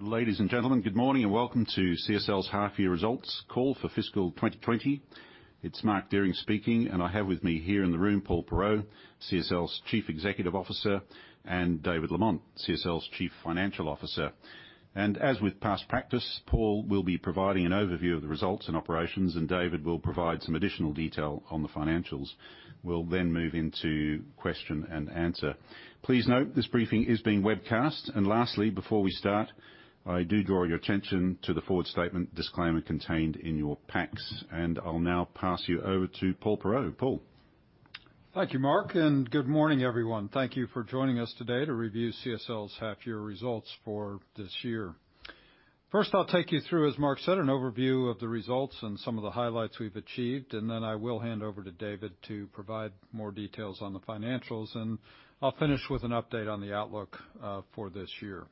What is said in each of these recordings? Ladies and gentlemen, good morning and welcome to CSL's half-year results call for fiscal 2020. It's Mark Deering speaking. I have with me here in the room Paul Perreault, CSL's Chief Executive Officer, David Lamont, CSL's Chief Financial Officer. As with past practice, Paul will be providing an overview of the results and operations, David will provide some additional detail on the financials. We'll move into question and answer. Please note this briefing is being webcast. Lastly, before we start, I do draw your attention to the forward statement disclaimer contained in your packs. I'll now pass you over to Paul Perreault. Paul? Thank you, Mark. Good morning, everyone. Thank you for joining us today to review CSL's half-year results for this year. First, I'll take you through, as Mark said, an overview of the results and some of the highlights we've achieved, then I will hand over to David to provide more details on the financials. I'll finish with an update on the outlook for this year.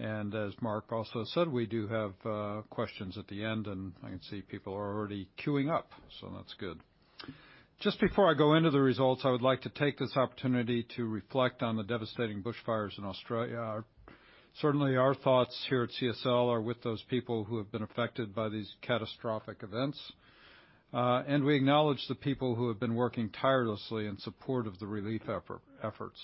As Mark also said, we do have questions at the end, and I can see people are already queuing up, so that's good. Just before I go into the results, I would like to take this opportunity to reflect on the devastating bushfires in Australia. Certainly, our thoughts here at CSL are with those people who have been affected by these catastrophic events. We acknowledge the people who have been working tirelessly in support of the relief efforts.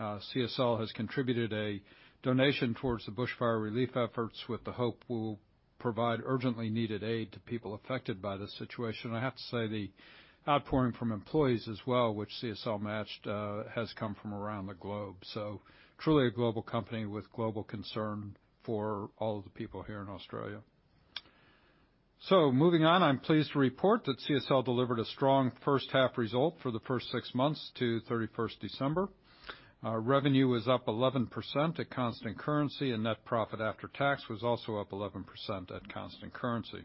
CSL has contributed a donation towards the bushfire relief efforts with the hope we will provide urgently needed aid to people affected by this situation. I have to say the outpouring from employees as well, which CSL matched, has come from around the globe. Truly a global company with global concern for all of the people here in Australia. Moving on, I am pleased to report that CSL delivered a strong first half result for the first six months to 31st December. Revenue was up 11% at constant currency, and net profit after tax was also up 11% at constant currency.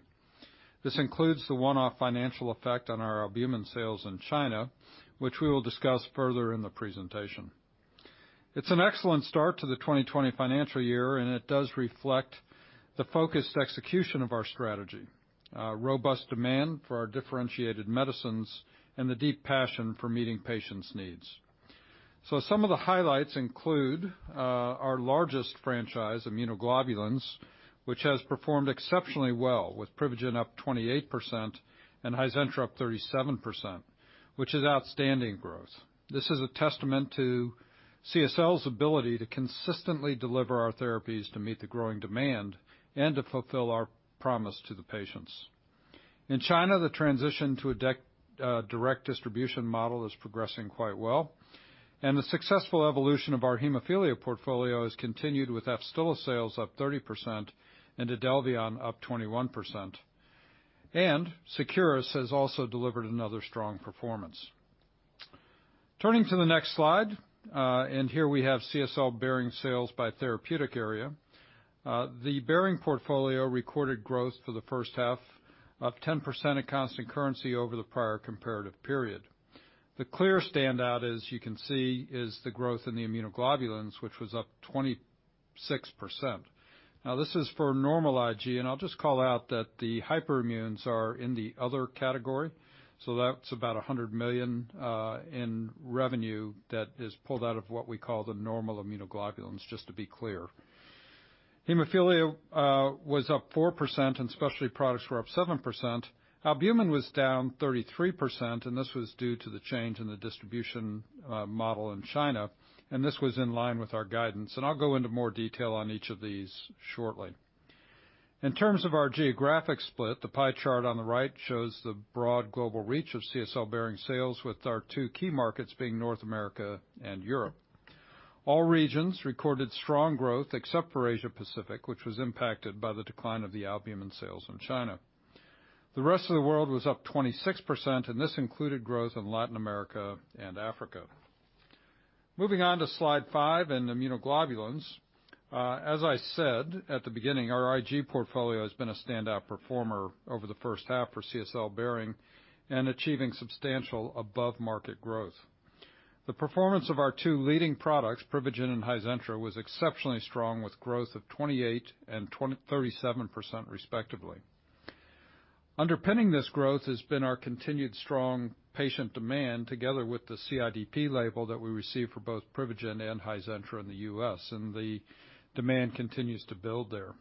This includes the one-off financial effect on our albumin sales in China, which we will discuss further in the presentation. It's an excellent start to the 2020 financial year. It does reflect the focused execution of our strategy, robust demand for our differentiated medicines, and the deep passion for meeting patients' needs. Some of the highlights include our largest franchise, immunoglobulins, which has performed exceptionally well with PRIVIGEN up 28% and HIZENTRA up 37%, which is outstanding growth. This is a testament to CSL's ability to consistently deliver our therapies to meet the growing demand and to fulfill our promise to the patients. In China, the transition to a direct distribution model is progressing quite well. The successful evolution of our hemophilia portfolio has continued with AFSTYLA sales up 30% and IDELVION up 21%. Seqirus has also delivered another strong performance. Turning to the next slide, here we have CSL Behring sales by therapeutic area. The Behring portfolio recorded growth for the first half up 10% at constant currency over the prior comparative period. The clear standout, as you can see, is the growth in the immunoglobulins, which was up 26%. This is for normal IG, I'll just call out that the hyperimmunes are in the other category, that's about 100 million in revenue that is pulled out of what we call the normal immunoglobulins, just to be clear. Hemophilia was up 4%, specialty products were up 7%. Albumin was down 33%, this was due to the change in the distribution model in China, this was in line with our guidance. I'll go into more detail on each of these shortly. In terms of our geographic split, the pie chart on the right shows the broad global reach of CSL Behring sales with our two key markets being North America and Europe. All regions recorded strong growth except for Asia Pacific, which was impacted by the decline of the albumin sales in China. The rest of the world was up 26%, and this included growth in Latin America and Africa. Moving on to slide five in immunoglobulins. As I said at the beginning, our IG portfolio has been a standout performer over the first half for CSL Behring and achieving substantial above-market growth. The performance of our two leading products, PRIVIGEN and HIZENTRA, was exceptionally strong, with growth of 28% and 37% respectively. Underpinning this growth has been our continued strong patient demand together with the CIDP label that we receive for both PRIVIGEN and HIZENTRA in the U.S. The demand continues to build there.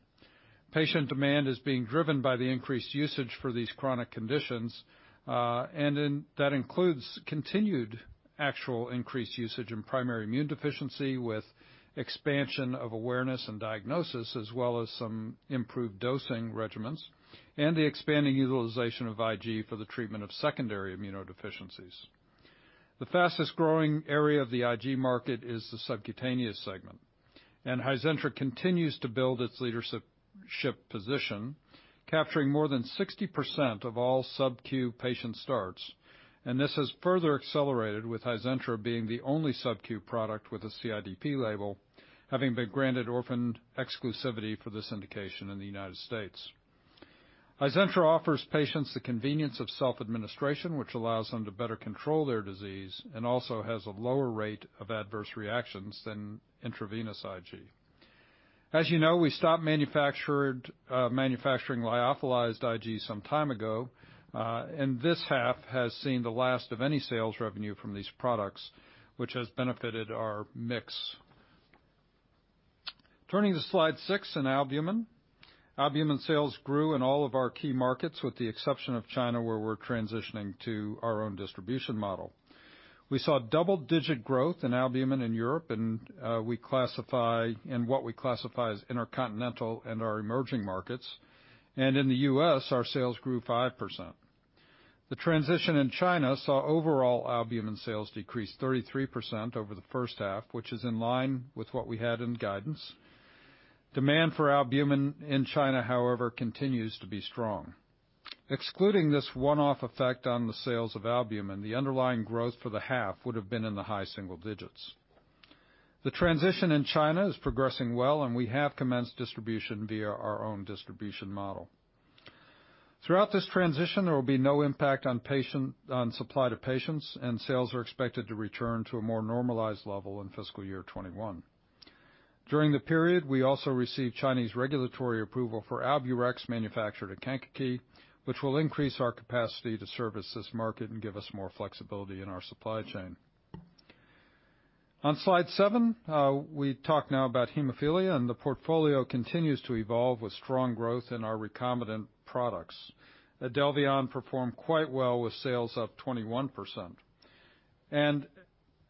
Patient demand is being driven by the increased usage for these chronic conditions, that includes continued actual increased usage in primary immunodeficiency with expansion of awareness and diagnosis, as well as some improved dosing regimens and the expanding utilization of IG for the treatment of secondary immunodeficiencies. The fastest-growing area of the IG market is the subcutaneous segment. HIZENTRA continues to build its leadership position, capturing more than 60% of all sub-Q patient starts. This has further accelerated with HIZENTRA being the only sub-Q product with a CIDP label, having been granted orphan exclusivity for this indication in the U.S. HIZENTRA offers patients the convenience of self-administration, which allows them to better control their disease and also has a lower rate of adverse reactions than intravenous IG. As you know, we stopped manufacturing lyophilized IG some time ago. This half has seen the last of any sales revenue from these products, which has benefited our mix. Turning to slide six in albumin. Albumin sales grew in all of our key markets, with the exception of China, where we're transitioning to our own distribution model. We saw double-digit growth in albumin in Europe and what we classify as intercontinental and our emerging markets. In the U.S., our sales grew 5%. The transition in China saw overall albumin sales decrease 33% over the first half, which is in line with what we had in guidance. Demand for albumin in China, however, continues to be strong. Excluding this one-off effect on the sales of albumin, the underlying growth for the half would have been in the high single digits. The transition in China is progressing well, and we have commenced distribution via our own distribution model. Throughout this transition, there will be no impact on supply to patients, and sales are expected to return to a more normalized level in fiscal year 2021. During the period, we also received Chinese regulatory approval for Alburex manufactured at Kankakee, which will increase our capacity to service this market and give us more flexibility in our supply chain. On slide seven, we talk now about hemophilia, and the portfolio continues to evolve with strong growth in our recombinant products. IDELVION performed quite well with sales up 21%.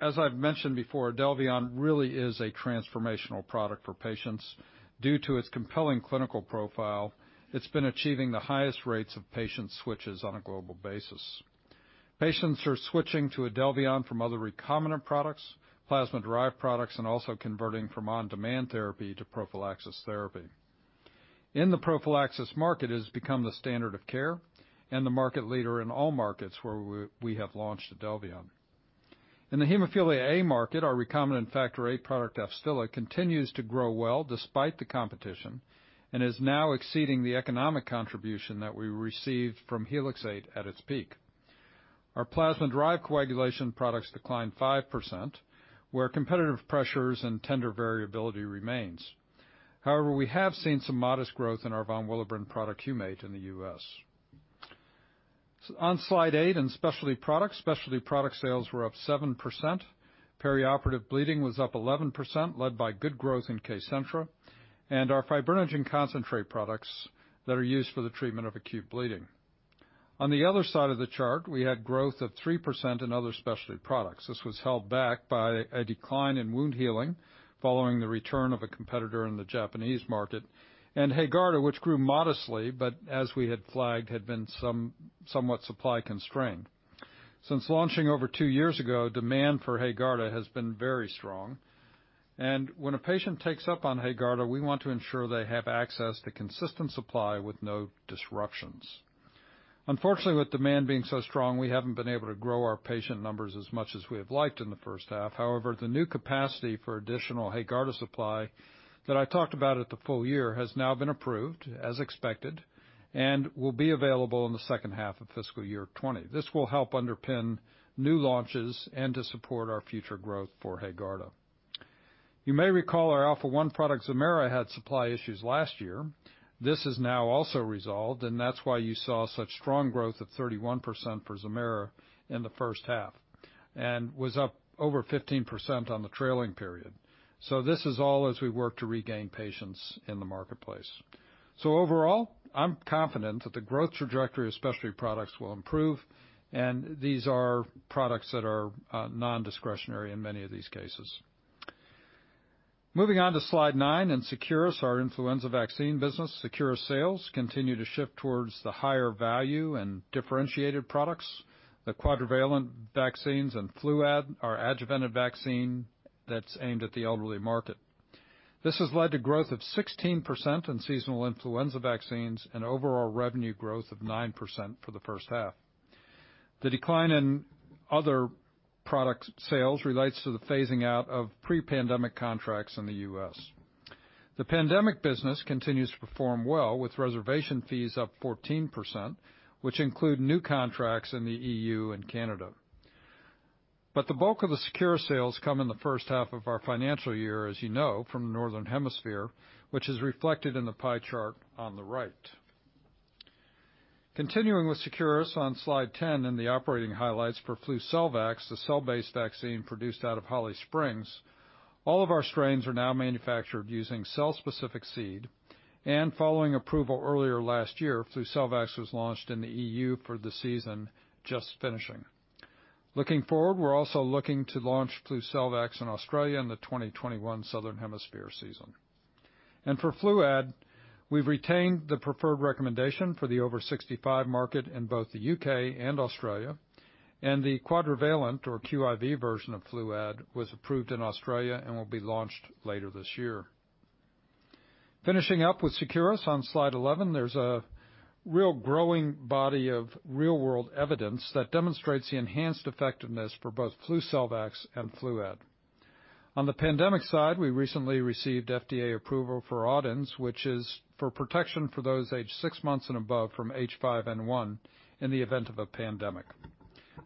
As I've mentioned before, IDELVION really is a transformational product for patients. Due to its compelling clinical profile, it's been achieving the highest rates of patient switches on a global basis. Patients are switching to IDELVION from other recombinant products, plasma-derived products, and also converting from on-demand therapy to prophylaxis therapy. In the prophylaxis market, it has become the standard of care and the market leader in all markets where we have launched IDELVION. In the hemophilia A market, our recombinant factor A product, AFSTYLA, continues to grow well despite the competition and is now exceeding the economic contribution that we received from Helixate at its peak. Our plasma-derived coagulation products declined 5%, where competitive pressures and tender variability remains. However, we have seen some modest growth in our von Willebrand product, Humate, in the U.S. On slide eight, in specialty products, specialty product sales were up 7%. Perioperative bleeding was up 11%, led by good growth in KCENTRA and our fibrinogen concentrate products that are used for the treatment of acute bleeding. On the other side of the chart, we had growth of 3% in other specialty products. This was held back by a decline in wound healing following the return of a competitor in the Japanese market, and HAEGARDA, which grew modestly, but as we had flagged, had been somewhat supply-constrained. Since launching over two years ago, demand for HAEGARDA has been very strong. When a patient takes up on HAEGARDA, we want to ensure they have access to consistent supply with no disruptions. Unfortunately, with demand being so strong, we haven't been able to grow our patient numbers as much as we have liked in the first half. The new capacity for additional HAEGARDA supply that I talked about at the full year has now been approved, as expected, and will be available in the second half of fiscal year 2020. This will help underpin new launches and to support our future growth for HAEGARDA. You may recall our alpha-1 product, ZEMAIRA, had supply issues last year. This is now also resolved. That's why you saw such strong growth of 31% for ZEMAIRA in the first half and was up over 15% on the trailing period. This is all as we work to regain patients in the marketplace. Overall, I'm confident that the growth trajectory of specialty products will improve, and these are products that are non-discretionary in many of these cases. Moving on to slide nine, in Seqirus, our influenza vaccine business. Seqirus sales continue to shift towards the higher value and differentiated products, the quadrivalent vaccines and FLUAD, our adjuvanted vaccine that's aimed at the elderly market. This has led to growth of 16% in seasonal influenza vaccines and overall revenue growth of 9% for the first half. The decline in other product sales relates to the phasing out of pre-pandemic contracts in the U.S. The pandemic business continues to perform well, with reservation fees up 14%, which include new contracts in the EU and Canada. The bulk of the Seqirus sales come in the first half of our financial year, as you know, from the Northern Hemisphere, which is reflected in the pie chart on the right. Continuing with Seqirus on slide 10 in the operating highlights for FLUCELVAX, the cell-based vaccine produced out of Holly Springs. All of our strains are now manufactured using cell-specific seed. Following approval earlier last year, FLUCELVAX was launched in the EU for the season just finishing. Looking forward, we're also looking to launch FLUCELVAX in Australia in the 2021 Southern Hemisphere season. For FLUAD, we've retained the preferred recommendation for the over 65 market in both the U.K. and Australia. The quadrivalent or QIV version of FLUAD was approved in Australia and will be launched later this year. Finishing up with Seqirus on slide 11, there's a real growing body of real-world evidence that demonstrates the enhanced effectiveness for both FLUCELVAX and FLUAD. On the pandemic side, we recently received FDA approval for AUDENZ, which is for protection for those aged six months and above from H5N1 in the event of a pandemic.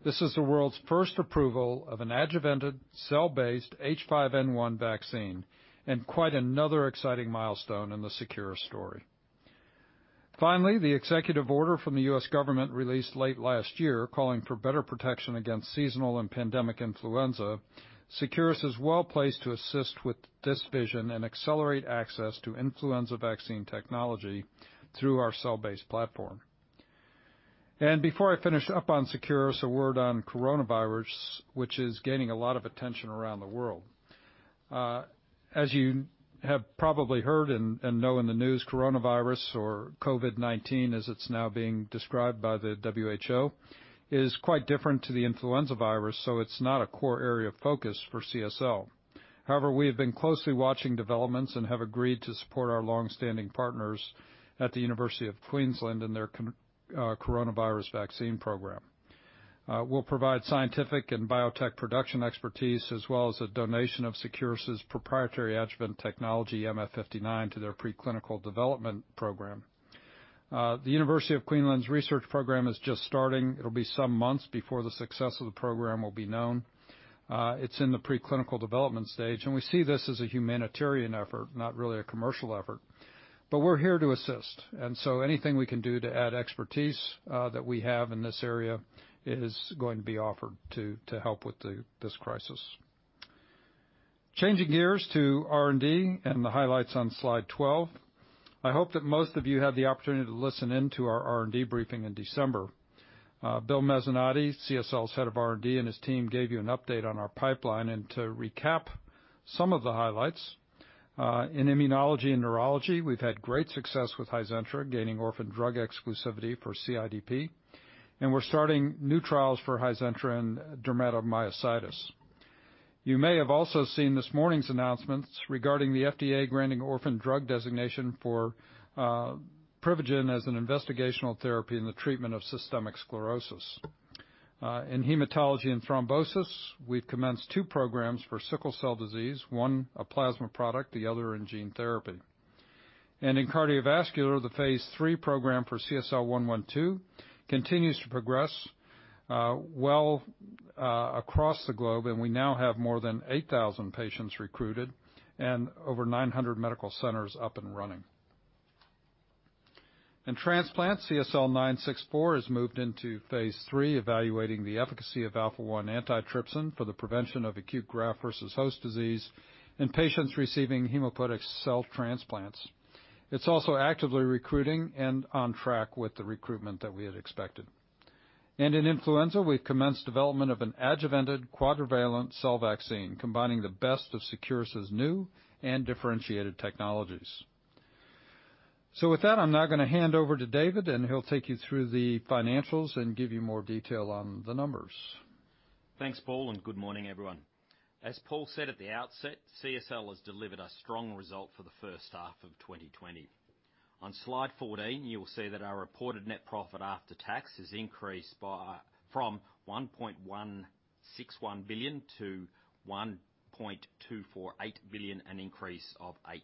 This is the world's first approval of an adjuvanted, cell-based H5N1 vaccine and quite another exciting milestone in the Seqirus story. The executive order from the U.S. government, released late last year, calling for better protection against seasonal and pandemic influenza, Seqirus is well-placed to assist with this vision and accelerate access to influenza vaccine technology through our cell-based platform. Before I finish up on Seqirus, a word on coronavirus, which is gaining a lot of attention around the world. As you have probably heard and know in the news, coronavirus or COVID-19, as it's now being described by the WHO, is quite different to the influenza virus, it's not a core area of focus for CSL. However, we have been closely watching developments and have agreed to support our longstanding partners at The University of Queensland in their coronavirus vaccine program. We'll provide scientific and biotech production expertise, as well as a donation of Seqirus' proprietary adjuvant technology, MF59, to their preclinical development program. The University of Queensland's research program is just starting. It'll be some months before the success of the program will be known. It's in the preclinical development stage, and we see this as a humanitarian effort, not really a commercial effort, but we're here to assist. Anything we can do to add expertise that we have in this area is going to be offered to help with this crisis. Changing gears to R&D and the highlights on Slide 12. I hope that most of you had the opportunity to listen in to our R&D briefing in December. Bill Mezzanotte, CSL's Head of R&D, and his team gave you an update on our pipeline. To recap some of the highlights, in immunology and neurology, we've had great success with HIZENTRA gaining orphan drug exclusivity for CIDP, and we're starting new trials for HIZENTRA in dermatomyositis. You may have also seen this morning's announcements regarding the FDA granting orphan drug designation for PRIVIGEN as an investigational therapy in the treatment of systemic sclerosis. In hematology and thrombosis, we've commenced two programs for sickle cell disease, one a plasma product, the other in gene therapy. In cardiovascular, the phase III program for CSL112 continues to progress well across the globe, and we now have more than 8,000 patients recruited and over 900 medical centers up and running. In transplant, CSL964 has moved into phase III, evaluating the efficacy of alpha-1 antitrypsin for the prevention of acute graft versus host disease in patients receiving hematopoietic cell transplants. It's also actively recruiting and on track with the recruitment that we had expected. In influenza, we've commenced development of an adjuvanted quadrivalent cell vaccine, combining the best of Seqirus' new and differentiated technologies. With that, I'm now going to hand over to David, and he'll take you through the financials and give you more detail on the numbers. Thanks, Paul, good morning, everyone. As Paul said at the outset, CSL has delivered a strong result for the first half of 2020. On Slide 14, you will see that our reported net profit after tax has increased from 1.161 billion to 1.248 billion, an increase of 8%.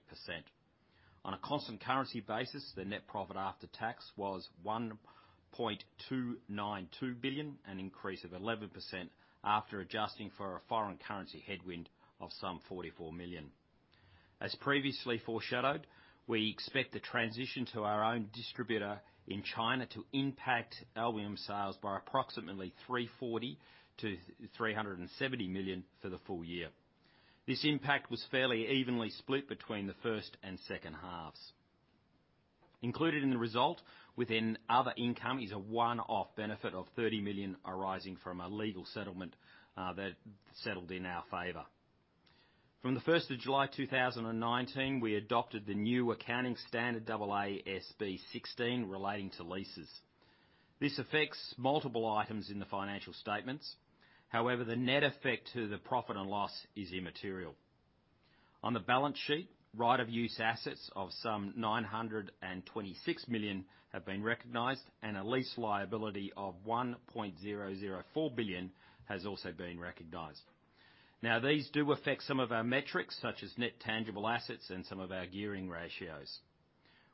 On a constant currency basis, the net profit after tax was 1.292 billion, an increase of 11% after adjusting for a foreign currency headwind of some 44 million. As previously foreshadowed, we expect the transition to our own distributor in China to impact albumin sales by approximately 340 million to 370 million for the full year. This impact was fairly evenly split between the first and second halves. Included in the result within other income is a one-off benefit of 30 million arising from a legal settlement that settled in our favor. From the 1st of July 2019, we adopted the new accounting standard AASB 16 relating to leases. This affects multiple items in the financial statements. The net effect to the profit and loss is immaterial. On the balance sheet, right of use assets of some 926 million have been recognized, and a lease liability of 1.004 billion has also been recognized. These do affect some of our metrics, such as net tangible assets and some of our gearing ratios.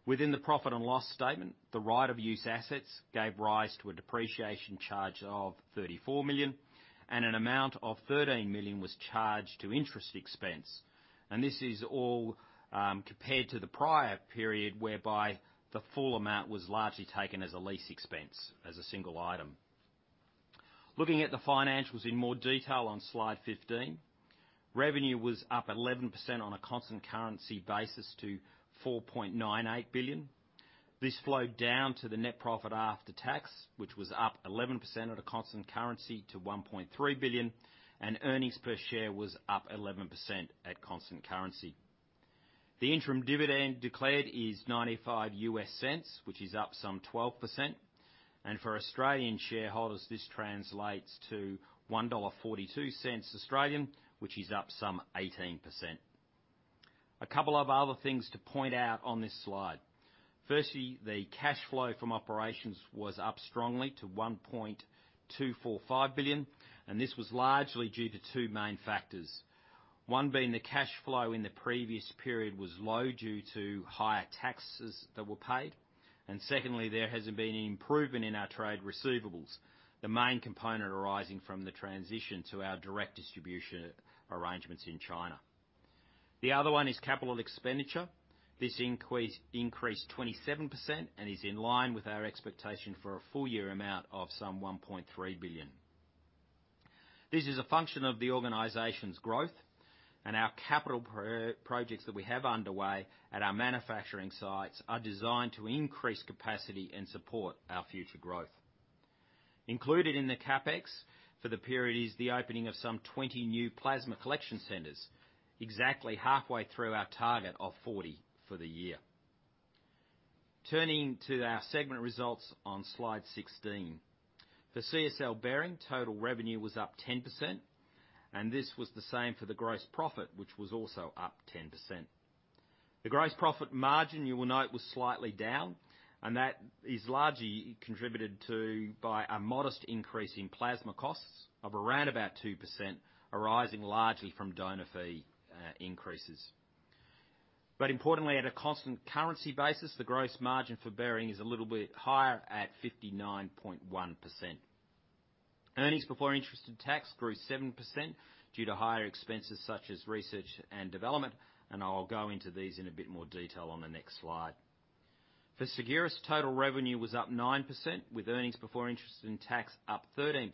Within the profit and loss statement, the right of use assets gave rise to a depreciation charge of 34 million, and an amount of 13 million was charged to interest expense. This is all compared to the prior period, whereby the full amount was largely taken as a lease expense as a single item. Looking at the financials in more detail on Slide 15, revenue was up 11% on a constant currency basis to $4.98 billion. This flowed down to the net profit after tax, which was up 11% at a constant currency to $1.3 billion. Earnings per share was up 11% at constant currency. The interim dividend declared is $0.95, which is up some 12%. For Australian shareholders, this translates to 1.42 Australian dollars, which is up some 18%. Two other things to point out on this slide. Firstly, the cash flow from operations was up strongly to $1.245 billion, and this was largely due to two main factors, one being the cash flow in the previous period was low due to higher taxes that were paid. Secondly, there has been an improvement in our trade receivables, the main component arising from the transition to our direct distribution arrangements in China. Other one is capital expenditure. This increased 27% and is in line with our expectation for a full year amount of some 1.3 billion. This is a function of the organization's growth, and our capital projects that we have underway at our manufacturing sites are designed to increase capacity and support our future growth. Included in the CapEx for the period is the opening of some 20 new plasma collection centers, exactly halfway through our target of 40 for the year. Turning to our segment results on Slide 16. For CSL Behring, total revenue was up 10%, and this was the same for the gross profit, which was also up 10%. The gross profit margin, you will note, was slightly down, and that is largely contributed to by a modest increase in plasma costs of around about 2%, arising largely from donor fee increases. Importantly, at a constant currency basis, the gross margin for Behring is a little bit higher at 59.1%. Earnings before interest and tax grew 7% due to higher expenses such as research and development, and I'll go into these in a bit more detail on the next slide. For Seqirus, total revenue was up 9%, with earnings before interest and tax up 13%,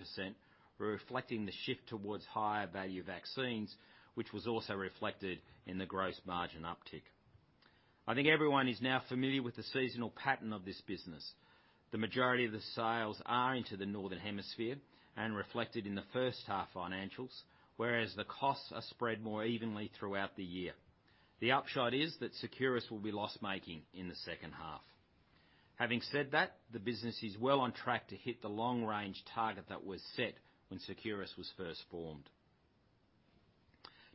reflecting the shift towards higher value vaccines, which was also reflected in the gross margin uptick. I think everyone is now familiar with the seasonal pattern of this business. The majority of the sales are into the Northern Hemisphere and reflected in the first half financials, whereas the costs are spread more evenly throughout the year. The upshot is that Seqirus will be loss-making in the second half. Having said that, the business is well on track to hit the long-range target that was set when Seqirus was first formed.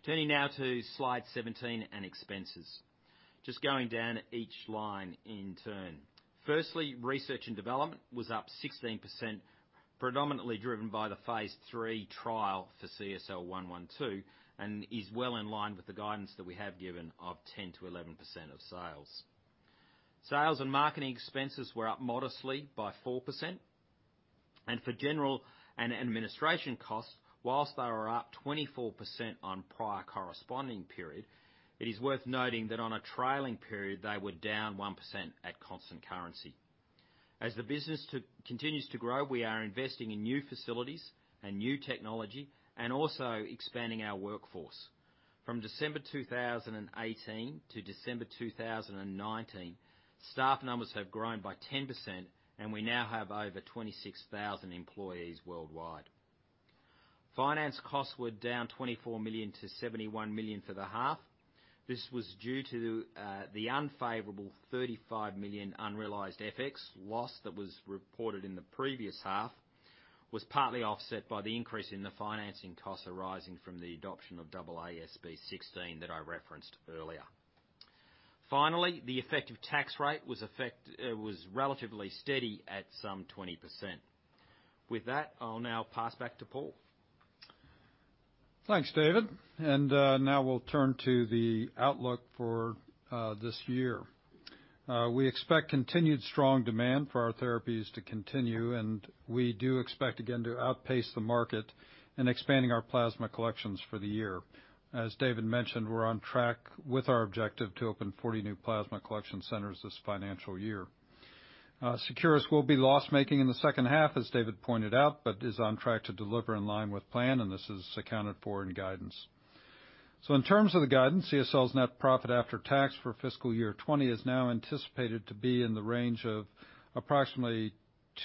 Turning now to Slide 17 and expenses. Just going down each line in turn. Research and development was up 16%, predominantly driven by the phase III trial for CSL112, and is well in line with the guidance that we have given of 10%-11% of sales. Sales and marketing expenses were up modestly by 4%. For general and administration costs, whilst they were up 24% on prior corresponding period, it is worth noting that on a trailing period, they were down 1% at constant currency. As the business continues to grow, we are investing in new facilities and new technology and also expanding our workforce. From December 2018 to December 2019, staff numbers have grown by 10% and we now have over 26,000 employees worldwide. Finance costs were down $24 million to $71 million for the half. This was due to the unfavorable $35 million unrealized FX loss that was reported in the previous half, was partly offset by the increase in the financing costs arising from the adoption of AASB 16 that I referenced earlier. Finally, the effective tax rate was relatively steady at some 20%. With that, I'll now pass back to Paul. Thanks, David. Now we'll turn to the outlook for this year. We expect continued strong demand for our therapies to continue, and we do expect again to outpace the market in expanding our plasma collections for the year. As David mentioned, we're on track with our objective to open 40 new plasma collection centers this financial year. Seqirus will be loss-making in the second half, as David pointed out, but is on track to deliver in line with plan, and this is accounted for in guidance. In terms of the guidance, CSL's net profit after tax for fiscal year 2020 is now anticipated to be in the range of approximately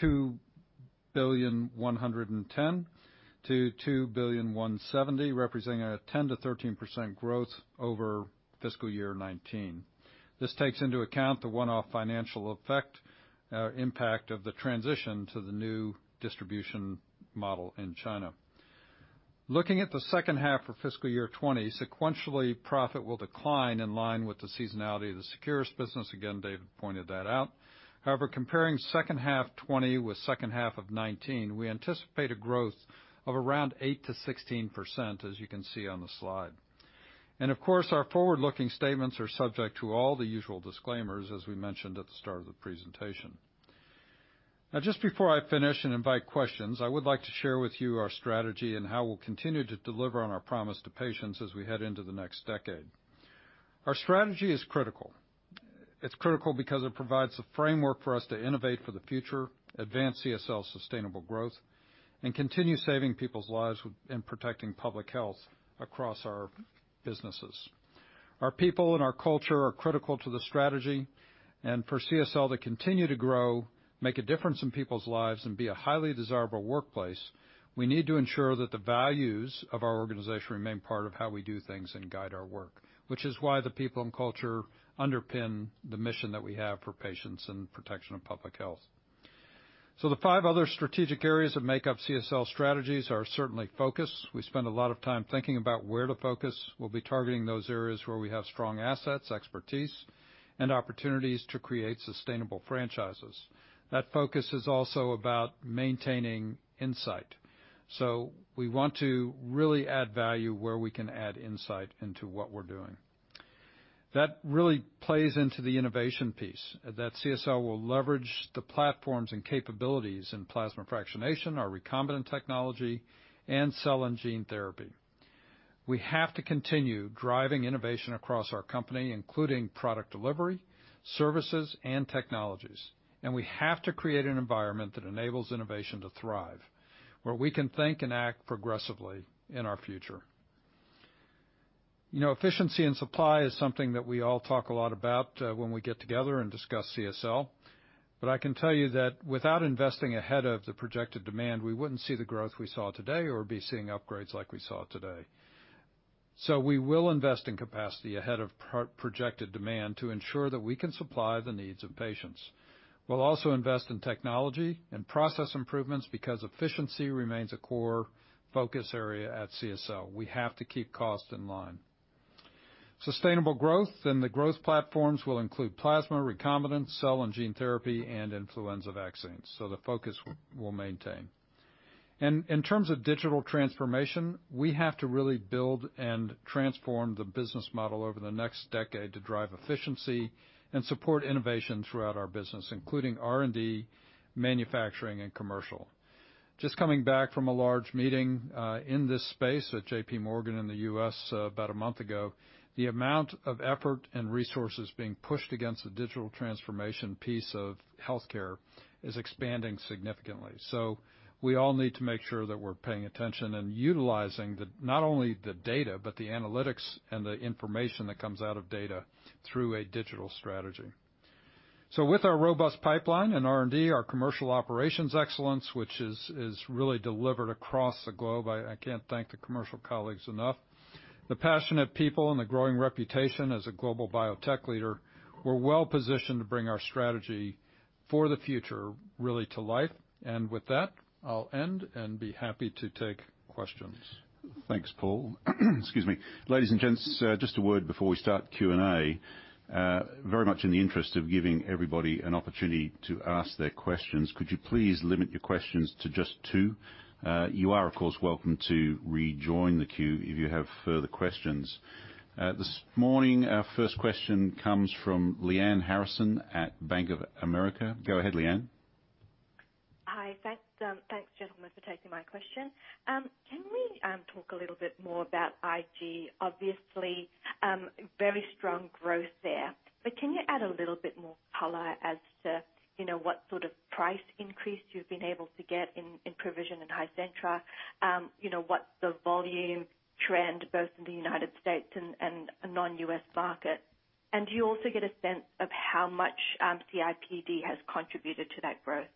$2,110,000,000-$2,170,000,000, representing a 10%-13% growth over fiscal year 2019. This takes into account the one-off financial effect impact of the transition to the new distribution model in China. Looking at the second half of fiscal year 2020, sequentially, profit will decline in line with the seasonality of the Seqirus business. Again, David pointed that out. However, comparing second half 2020 with second half of 2019, we anticipate a growth of around 8%-16%, as you can see on the slide. Of course, our forward-looking statements are subject to all the usual disclaimers, as we mentioned at the start of the presentation. Just before I finish and invite questions, I would like to share with you our strategy and how we'll continue to deliver on our promise to patients as we head into the next decade. Our strategy is critical. It's critical because it provides a framework for us to innovate for the future, advance CSL's sustainable growth, and continue saving people's lives and protecting public health across our businesses. Our people and our culture are critical to the strategy. For CSL to continue to grow, make a difference in people's lives, and be a highly desirable workplace, we need to ensure that the values of our organization remain part of how we do things and guide our work. Which is why the people and culture underpin the mission that we have for patients and protection of public health. The five other strategic areas that make up CSL strategies are certainly focus. We spend a lot of time thinking about where to focus. We'll be targeting those areas where we have strong assets, expertise, and opportunities to create sustainable franchises. That focus is also about maintaining insight. We want to really add value where we can add insight into what we're doing. That really plays into the innovation piece, that CSL will leverage the platforms and capabilities in plasma fractionation, our recombinant technology, and cell and gene therapy. We have to continue driving innovation across our company, including product delivery, services, and technologies. We have to create an environment that enables innovation to thrive, where we can think and act progressively in our future. Efficiency in supply is something that we all talk a lot about when we get together and discuss CSL, but I can tell you that without investing ahead of the projected demand, we wouldn't see the growth we saw today or be seeing upgrades like we saw today. We will invest in capacity ahead of projected demand to ensure that we can supply the needs of patients. We'll also invest in technology and process improvements because efficiency remains a core focus area at CSL. We have to keep costs in line. Sustainable growth and the growth platforms will include plasma, recombinant, cell and gene therapy, and influenza vaccines. The focus we'll maintain. In terms of digital transformation, we have to really build and transform the business model over the next decade to drive efficiency and support innovation throughout our business, including R&D, manufacturing, and commercial. Just coming back from a large meeting, in this space with J.P. Morgan in the U.S. about a month ago, the amount of effort and resources being pushed against the digital transformation piece of healthcare is expanding significantly. We all need to make sure that we're paying attention and utilizing not only the data, but the analytics and the information that comes out of data through a digital strategy. With our robust pipeline in R&D, our commercial operations excellence, which is really delivered across the globe, I can't thank the commercial colleagues enough. The passionate people and the growing reputation as a global biotech leader, we're well-positioned to bring our strategy for the future really to life. With that, I'll end and be happy to take questions. Thanks, Paul. Excuse me. Ladies and gents, just a word before we start the Q&A. Very much in the interest of giving everybody an opportunity to ask their questions. Could you please limit your questions to just two? You are, of course, welcome to rejoin the queue if you have further questions. This morning, our first question comes from Lyanne Harrison at Bank of America. Go ahead, Lyanne. Hi. Thanks, gentlemen, for taking my question. Can we talk a little bit more about IG? Obviously, very strong growth there. Can you add a little bit more color as to what sort of price increase you've been able to get in PRIVIGEN and HIZENTRA? What's the volume trend, both in the U.S. and non-U.S. markets, and do you also get a sense of how much CIDP has contributed to that growth?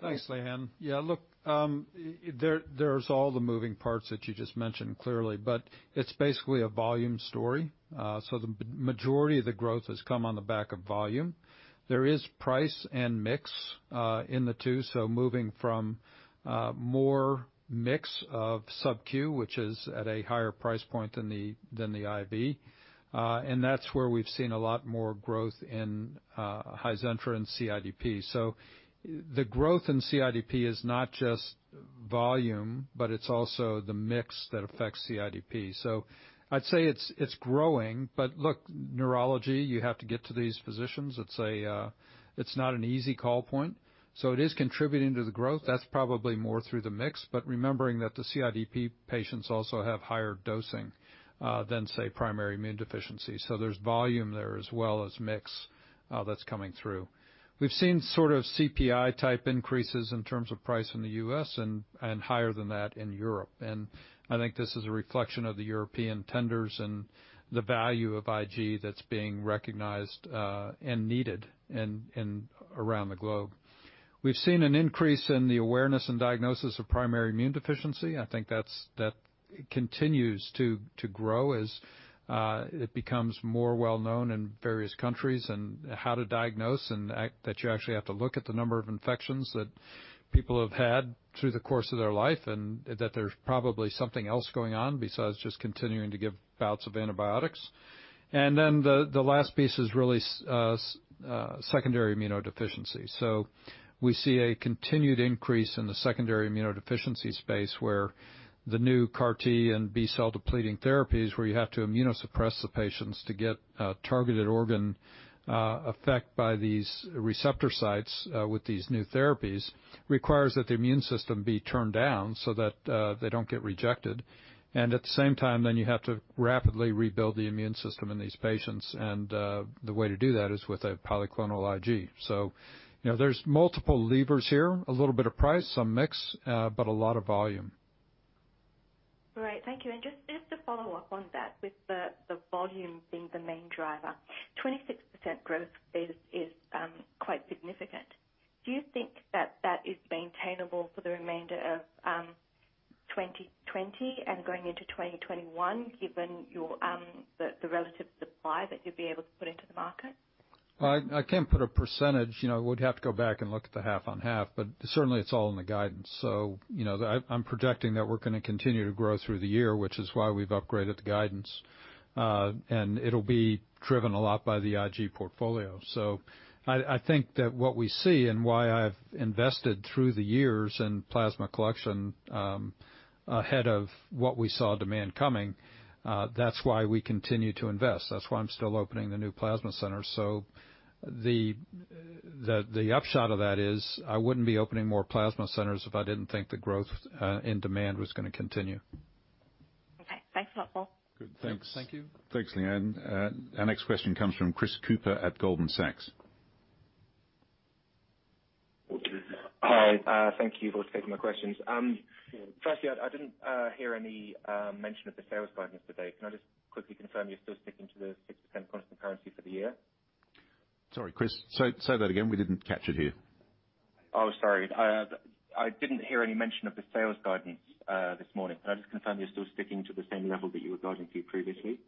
Thanks, Lyanne. Yeah, look, there's all the moving parts that you just mentioned, clearly, but it's basically a volume story. The majority of the growth has come on the back of volume. There is price and mix in the two, so moving from more mix of sub-Q, which is at a higher price point than the IV. That's where we've seen a lot more growth in HIZENTRA and CIDP. The growth in CIDP is not just volume, but it's also the mix that affects CIDP. I'd say it's growing, but look, neurology, you have to get to these physicians. It's not an easy call point. It is contributing to the growth, that's probably more through the mix, but remembering that the CIDP patients also have higher dosing than, say, primary immunodeficiency. There's volume there as well as mix that's coming through. We've seen sort of CPI-type increases in terms of price in the U.S. and higher than that in Europe. I think this is a reflection of the European tenders and the value of IG that's being recognized, and needed around the globe. We've seen an increase in the awareness and diagnosis of primary immunodeficiency. I think that continues to grow as it becomes more well-known in various countries and how to diagnose and that you actually have to look at the number of infections that people have had through the course of their life, and that there's probably something else going on besides just continuing to give bouts of antibiotics. The last piece is really secondary immunodeficiency. We see a continued increase in the secondary immunodeficiency space, where the new CAR T and B-cell depleting therapies, where you have to immunosuppress the patients to get targeted organ effect by these receptor sites with these new therapies, requires that the immune system be turned down so that they don't get rejected. At the same time, then you have to rapidly rebuild the immune system in these patients. The way to do that is with a polyclonal IG. There's multiple levers here, a little bit of price, some mix, but a lot of volume. Great. Thank you. Just to follow up on that, with the volume being the main driver, 26% growth is quite significant. Do you think that that is maintainable for the remainder of 2020 and going into 2021, given the relative supply that you'd be able to put into the market? I can't put a percentage. We'd have to go back and look at the half on half, but certainly, it's all in the guidance. I'm projecting that we're going to continue to grow through the year, which is why we've upgraded the guidance. It'll be driven a lot by the IG portfolio. I think that what we see and why I've invested through the years in plasma collection, ahead of what we saw demand coming, that's why we continue to invest. That's why I'm still opening the new plasma centers. The upshot of that is I wouldn't be opening more plasma centers if I didn't think the growth in demand was going to continue. Thanks a lot, Paul. Good. Thanks. Thank you. Thanks, Lyanne. Our next question comes from Chris Cooper at Goldman Sachs. Hi. Thank you both for taking my questions. Firstly, I didn't hear any mention of the sales guidance today. Can I just quickly confirm you're still sticking to the 6% constant currency for the year? Sorry, Chris. Say that again. We didn't catch it here. Sorry. I didn't hear any mention of the sales guidance this morning. Can I just confirm you're still sticking to the same level that you were guiding to previously?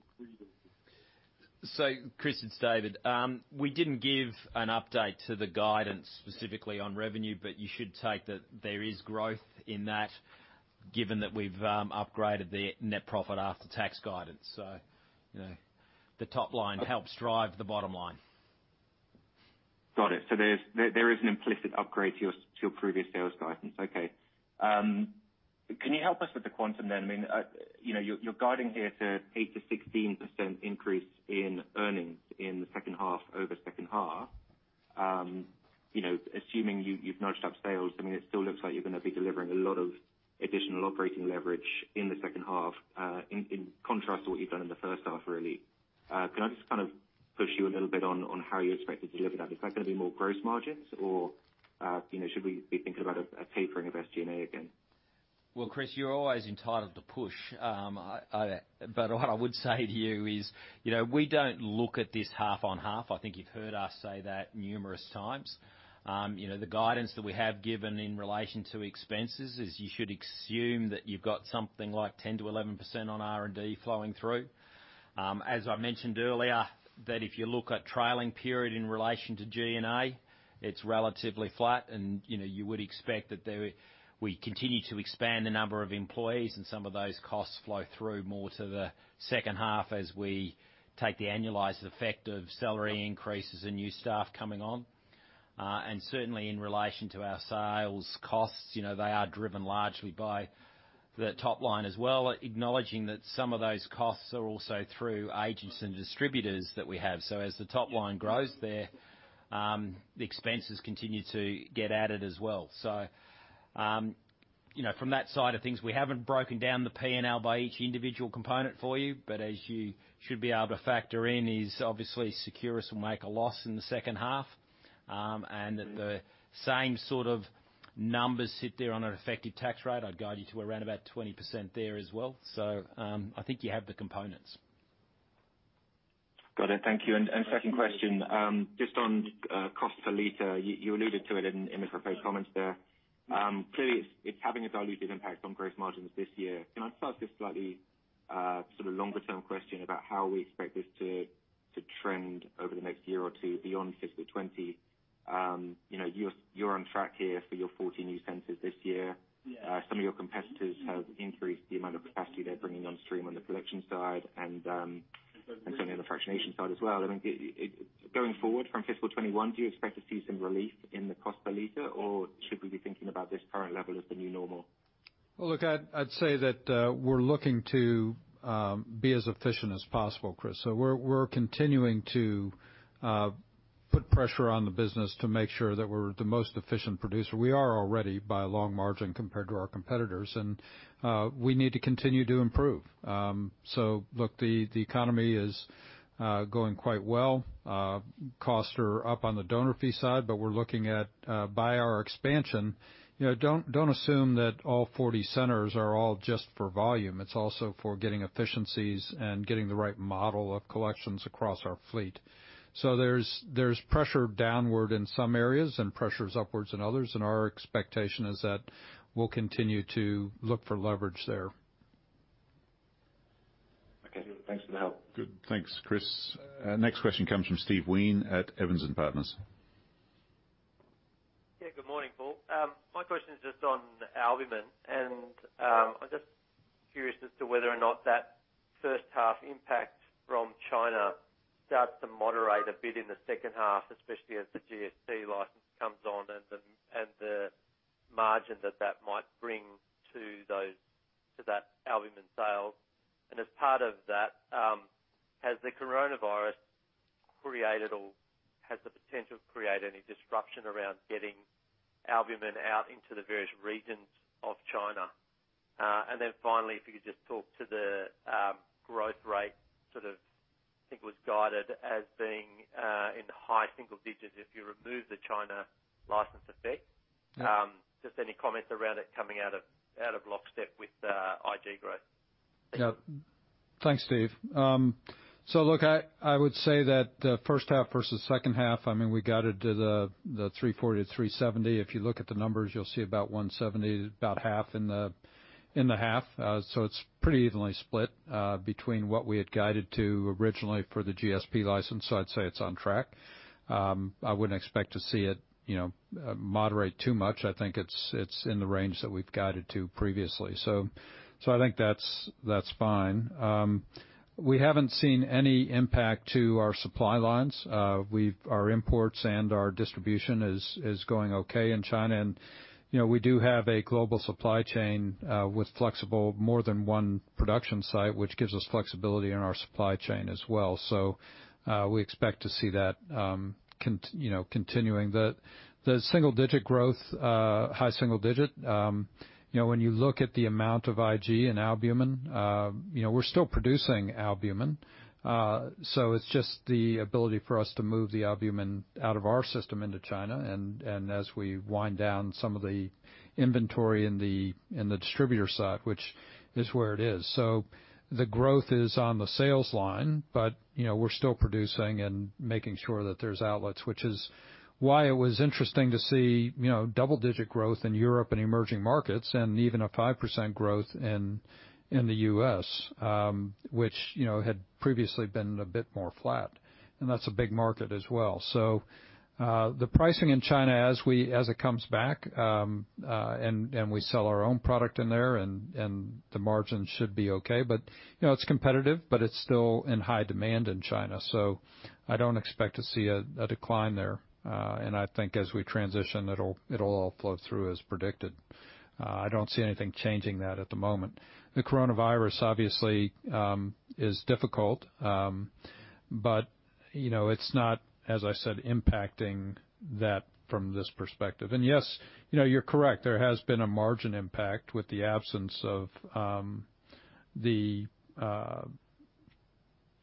Chris, it's David. We didn't give an update to the guidance specifically on revenue, you should take that there is growth in that given that we've upgraded the net profit after tax guidance. The top line helps drive the bottom line. Got it. There is an implicit upgrade to your previous sales guidance. Okay. Can you help us with the quantum then? You're guiding here to 8%-16% increase in earnings in the second half over second half. Assuming you've nudged up sales, it still looks like you're going to be delivering a lot of additional operating leverage in the second half, in contrast to what you've done in the first half, really. Can I just push you a little bit on how you expect to deliver that? Is that going to be more gross margins, or should we be thinking about a tapering of SG&A again? Well, Chris, what I would say to you is, we don't look at this half on half. I think you've heard us say that numerous times. The guidance that we have given in relation to expenses is you should assume that you've got something like 10%-11% on R&D flowing through. As I mentioned earlier, that if you look at trailing period in relation to G&A, it's relatively flat and you would expect that we continue to expand the number of employees and some of those costs flow through more to the second half as we take the annualized effect of salary increases and new staff coming on. Certainly in relation to our sales costs, they are driven largely by the top line as well, acknowledging that some of those costs are also through agents and distributors that we have. As the top line grows there, the expenses continue to get added as well. From that side of things, we haven't broken down the P&L by each individual component for you, but as you should be able to factor in is obviously Seqirus will make a loss in the second half, and that the same sort of numbers sit there on an effective tax rate. I'd guide you to around about 20% there as well. I think you have the components. Got it. Thank you. Second question, just on cost per liter. You alluded to it in the prepared comments there. Clearly, it's having a dilutive impact on gross margins this year. Can I start with a slightly longer term question about how we expect this to trend over the next year or two beyond fiscal 2020? You're on track here for your 40 new centers this year. Yeah. Some of your competitors have increased the amount of capacity they're bringing on stream on the collection side and some of the fractionation side as well. Going forward from fiscal 2021, do you expect to see some relief in the cost per liter, or should we be thinking about this current level as the new normal? Well, look, I'd say that we're looking to be as efficient as possible, Chris. We're continuing to put pressure on the business to make sure that we're the most efficient producer. We are already by a long margin compared to our competitors, and we need to continue to improve. Look, the economy is going quite well. Costs are up on the donor fee side, we're looking at by our expansion. Don't assume that all 40 centers are all just for volume. It's also for getting efficiencies and getting the right model of collections across our fleet. There's pressure downward in some areas and pressures upwards in others, and our expectation is that we'll continue to look for leverage there. Okay. Thanks for the help. Good. Thanks, Chris. Next question comes from Steve Wheen at Evans & Partners. Yeah, good morning, Paul. My question is just on albumin. I'm just curious as to whether or not that first half impact from China starts to moderate a bit in the second half, especially as the GSP license comes on and the margin that that might bring to that albumin sale. As part of that, has the coronavirus created or has the potential to create any disruption around getting albumin out into the various regions of China? Finally, if you could just talk to the growth rate, I think it was guided as being in high single digits if you remove the China license effect. Yeah. Just any comments around it coming out of lockstep with IG growth. Yeah. Thanks, Steve. Look, I would say that the first half versus second half, we guided to the $340-$370. If you look at the numbers, you'll see about $170, about half in the half. It's pretty evenly split between what we had guided to originally for the GSP license. I'd say it's on track. I wouldn't expect to see it moderate too much. I think it's in the range that we've guided to previously. I think that's fine. We haven't seen any impact to our supply lines. Our imports and our distribution is going okay in China, and we do have a global supply chain with flexible more than one production site, which gives us flexibility in our supply chain as well. We expect to see that continuing. The single digit growth, high single digit. When you look at the amount of IG and albumin, we're still producing albumin. It's just the ability for us to move the albumin out of our system into China, and as we wind down some of the inventory in the distributor side, which is where it is. The growth is on the sales line, but we're still producing and making sure that there's outlets, which is why it was interesting to see double-digit growth in Europe and emerging markets and even a 5% growth in the U.S., which had previously been a bit more flat. That's a big market as well. The pricing in China as it comes back, and we sell our own product in there and the margin should be okay. It's competitive, but it's still in high demand in China, so I don't expect to see a decline there. I think as we transition, it'll all flow through as predicted. I don't see anything changing that at the moment. The coronavirus obviously, is difficult, but it's not, as I said, impacting that from this perspective. Yes, you're correct, there has been a margin impact with the absence of the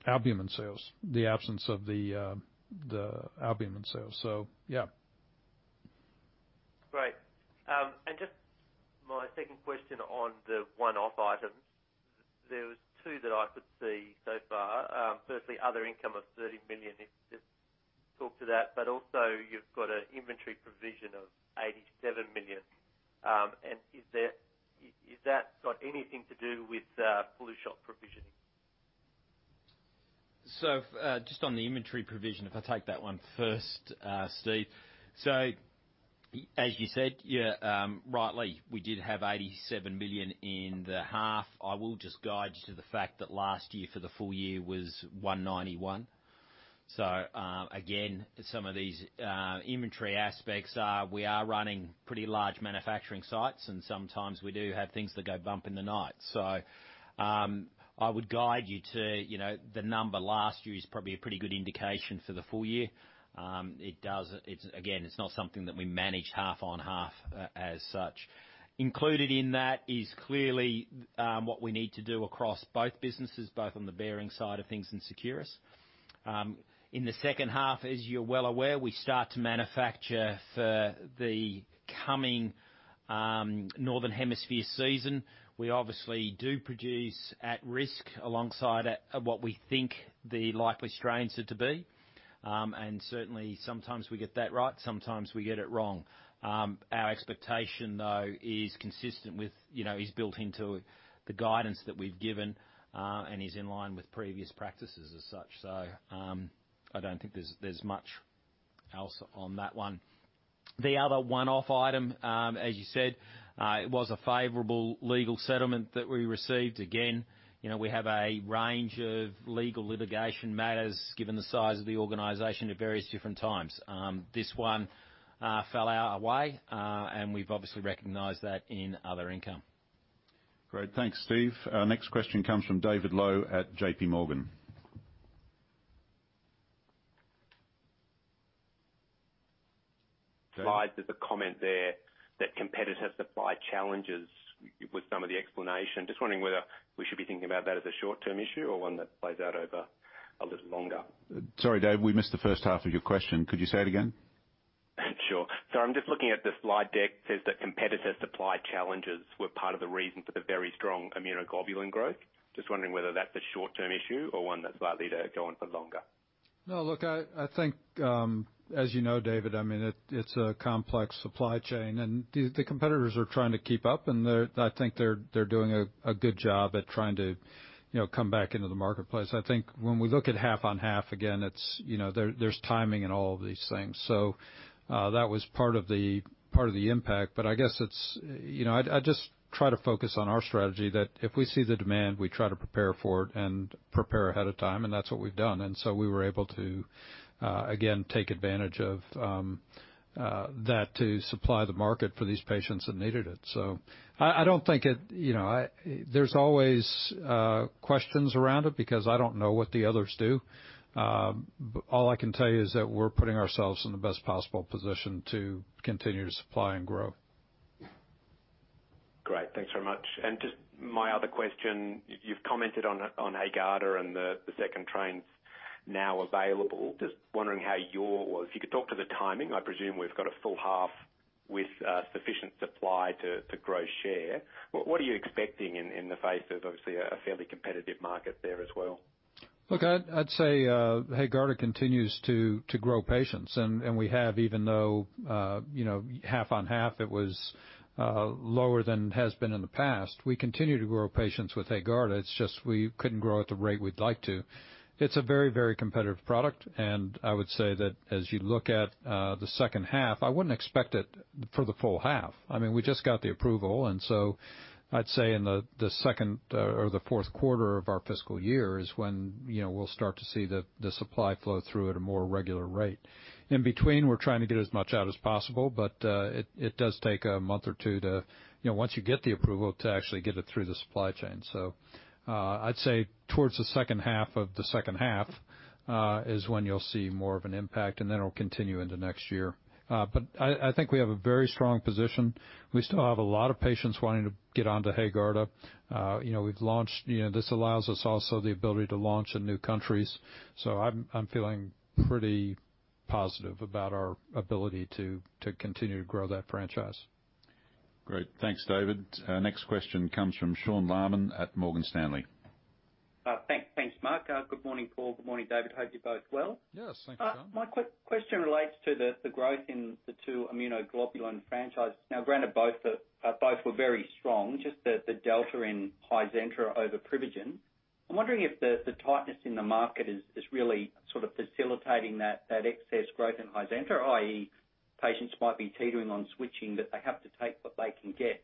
albumin sales. Yeah. Great. Just my second question on the one-off items. There was two that I could see so far. Firstly, other income of $30 million, if you could talk to that, but also you've got an inventory provision of $87 million. Has that got anything to do with Flu Shot provisioning? Just on the inventory provision, if I take that one first, Steve. As you said, rightly, we did have $87 million in the half. I will just guide you to the fact that last year for the full year was $191 million. Again, some of these inventory aspects are we are running pretty large manufacturing sites, and sometimes we do have things that go bump in the night. I would guide you to the number last year is probably a pretty good indication for the full year. Again, it's not something that we manage half on half as such. Included in that is clearly what we need to do across both businesses, both on the CSL Behring side of things and Seqirus. In the second half, as you're well aware, we start to manufacture for the coming Northern Hemisphere season. We obviously do produce at risk alongside what we think the likely strains are to be. Certainly, sometimes we get that right, sometimes we get it wrong. Our expectation, though, is consistent with, is built into the guidance that we've given, and is in line with previous practices as such. I don't think there's much else on that one. The other one-off item, as you said, it was a favorable legal settlement that we received. Again, we have a range of legal litigation matters given the size of the organization at various different times. This one fell our way, and we've obviously recognized that in other income. Great. Thanks, Steve. Our next question comes from David Low at JPMorgan. Dave? There's a comment there that competitor supply challenges with some of the explanation. Just wondering whether we should be thinking about that as a short-term issue or one that plays out over a little longer? Sorry, Dave, we missed the first half of your question. Could you say it again? Sure. I'm just looking at the slide deck. It says that competitor supply challenges were part of the reason for the very strong immunoglobulin growth. Just wondering whether that's a short-term issue or one that's likely to go on for longer. Look, I think, as you know, David, it's a complex supply chain, the competitors are trying to keep up, and I think they're doing a good job at trying to come back into the marketplace. I think when we look at half on half again, there's timing in all of these things. That was part of the impact. I guess I just try to focus on our strategy that if we see the demand, we try to prepare for it and prepare ahead of time, and that's what we've done. We were able to, again, take advantage of that to supply the market for these patients that needed it. There's always questions around it because I don't know what the others do. All I can tell you is that we're putting ourselves in the best possible position to continue to supply and grow. Great. Thanks very much. Just my other question, you've commented on HAEGARDA and the second trains. Now available. Just wondering how if you could talk to the timing. I presume we've got a full half with sufficient supply to grow share. What are you expecting in the face of obviously a fairly competitive market there as well? Look, I'd say HAEGARDA continues to grow patients, and we have, even though, half-on-half, it was lower than it has been in the past. We continue to grow patients with HAEGARDA. It's just we couldn't grow at the rate we'd like to. It's a very, very competitive product, and I would say that as you look at the second half, I wouldn't expect it for the full half. We just got the approval. I'd say in the second or the fourth quarter of our fiscal year is when we'll start to see the supply flow through at a more regular rate. In between, we're trying to get as much out as possible. It does take a month or two to once you get the approval to actually get it through the supply chain. I'd say towards the second half of the second half is when you'll see more of an impact, and then it'll continue into next year. I think we have a very strong position. We still have a lot of patients wanting to get onto HAEGARDA. We've launched. This allows us also the ability to launch in new countries. I'm feeling pretty positive about our ability to continue to grow that franchise. Great. Thanks, David. Next question comes from Sean Laaman at Morgan Stanley. Thanks, Mark. Good morning, Paul. Good morning, David. Hope you're both well. Yes, thanks Sean. My quick question relates to the growth in the two immunoglobulin franchises. Now granted, both were very strong. Just the delta in HIZENTRA over PRIVIGEN. I'm wondering if the tightness in the market is really sort of facilitating that excess growth in HIZENTRA, i.e., patients might be teetering on switching, but they have to take what they can get.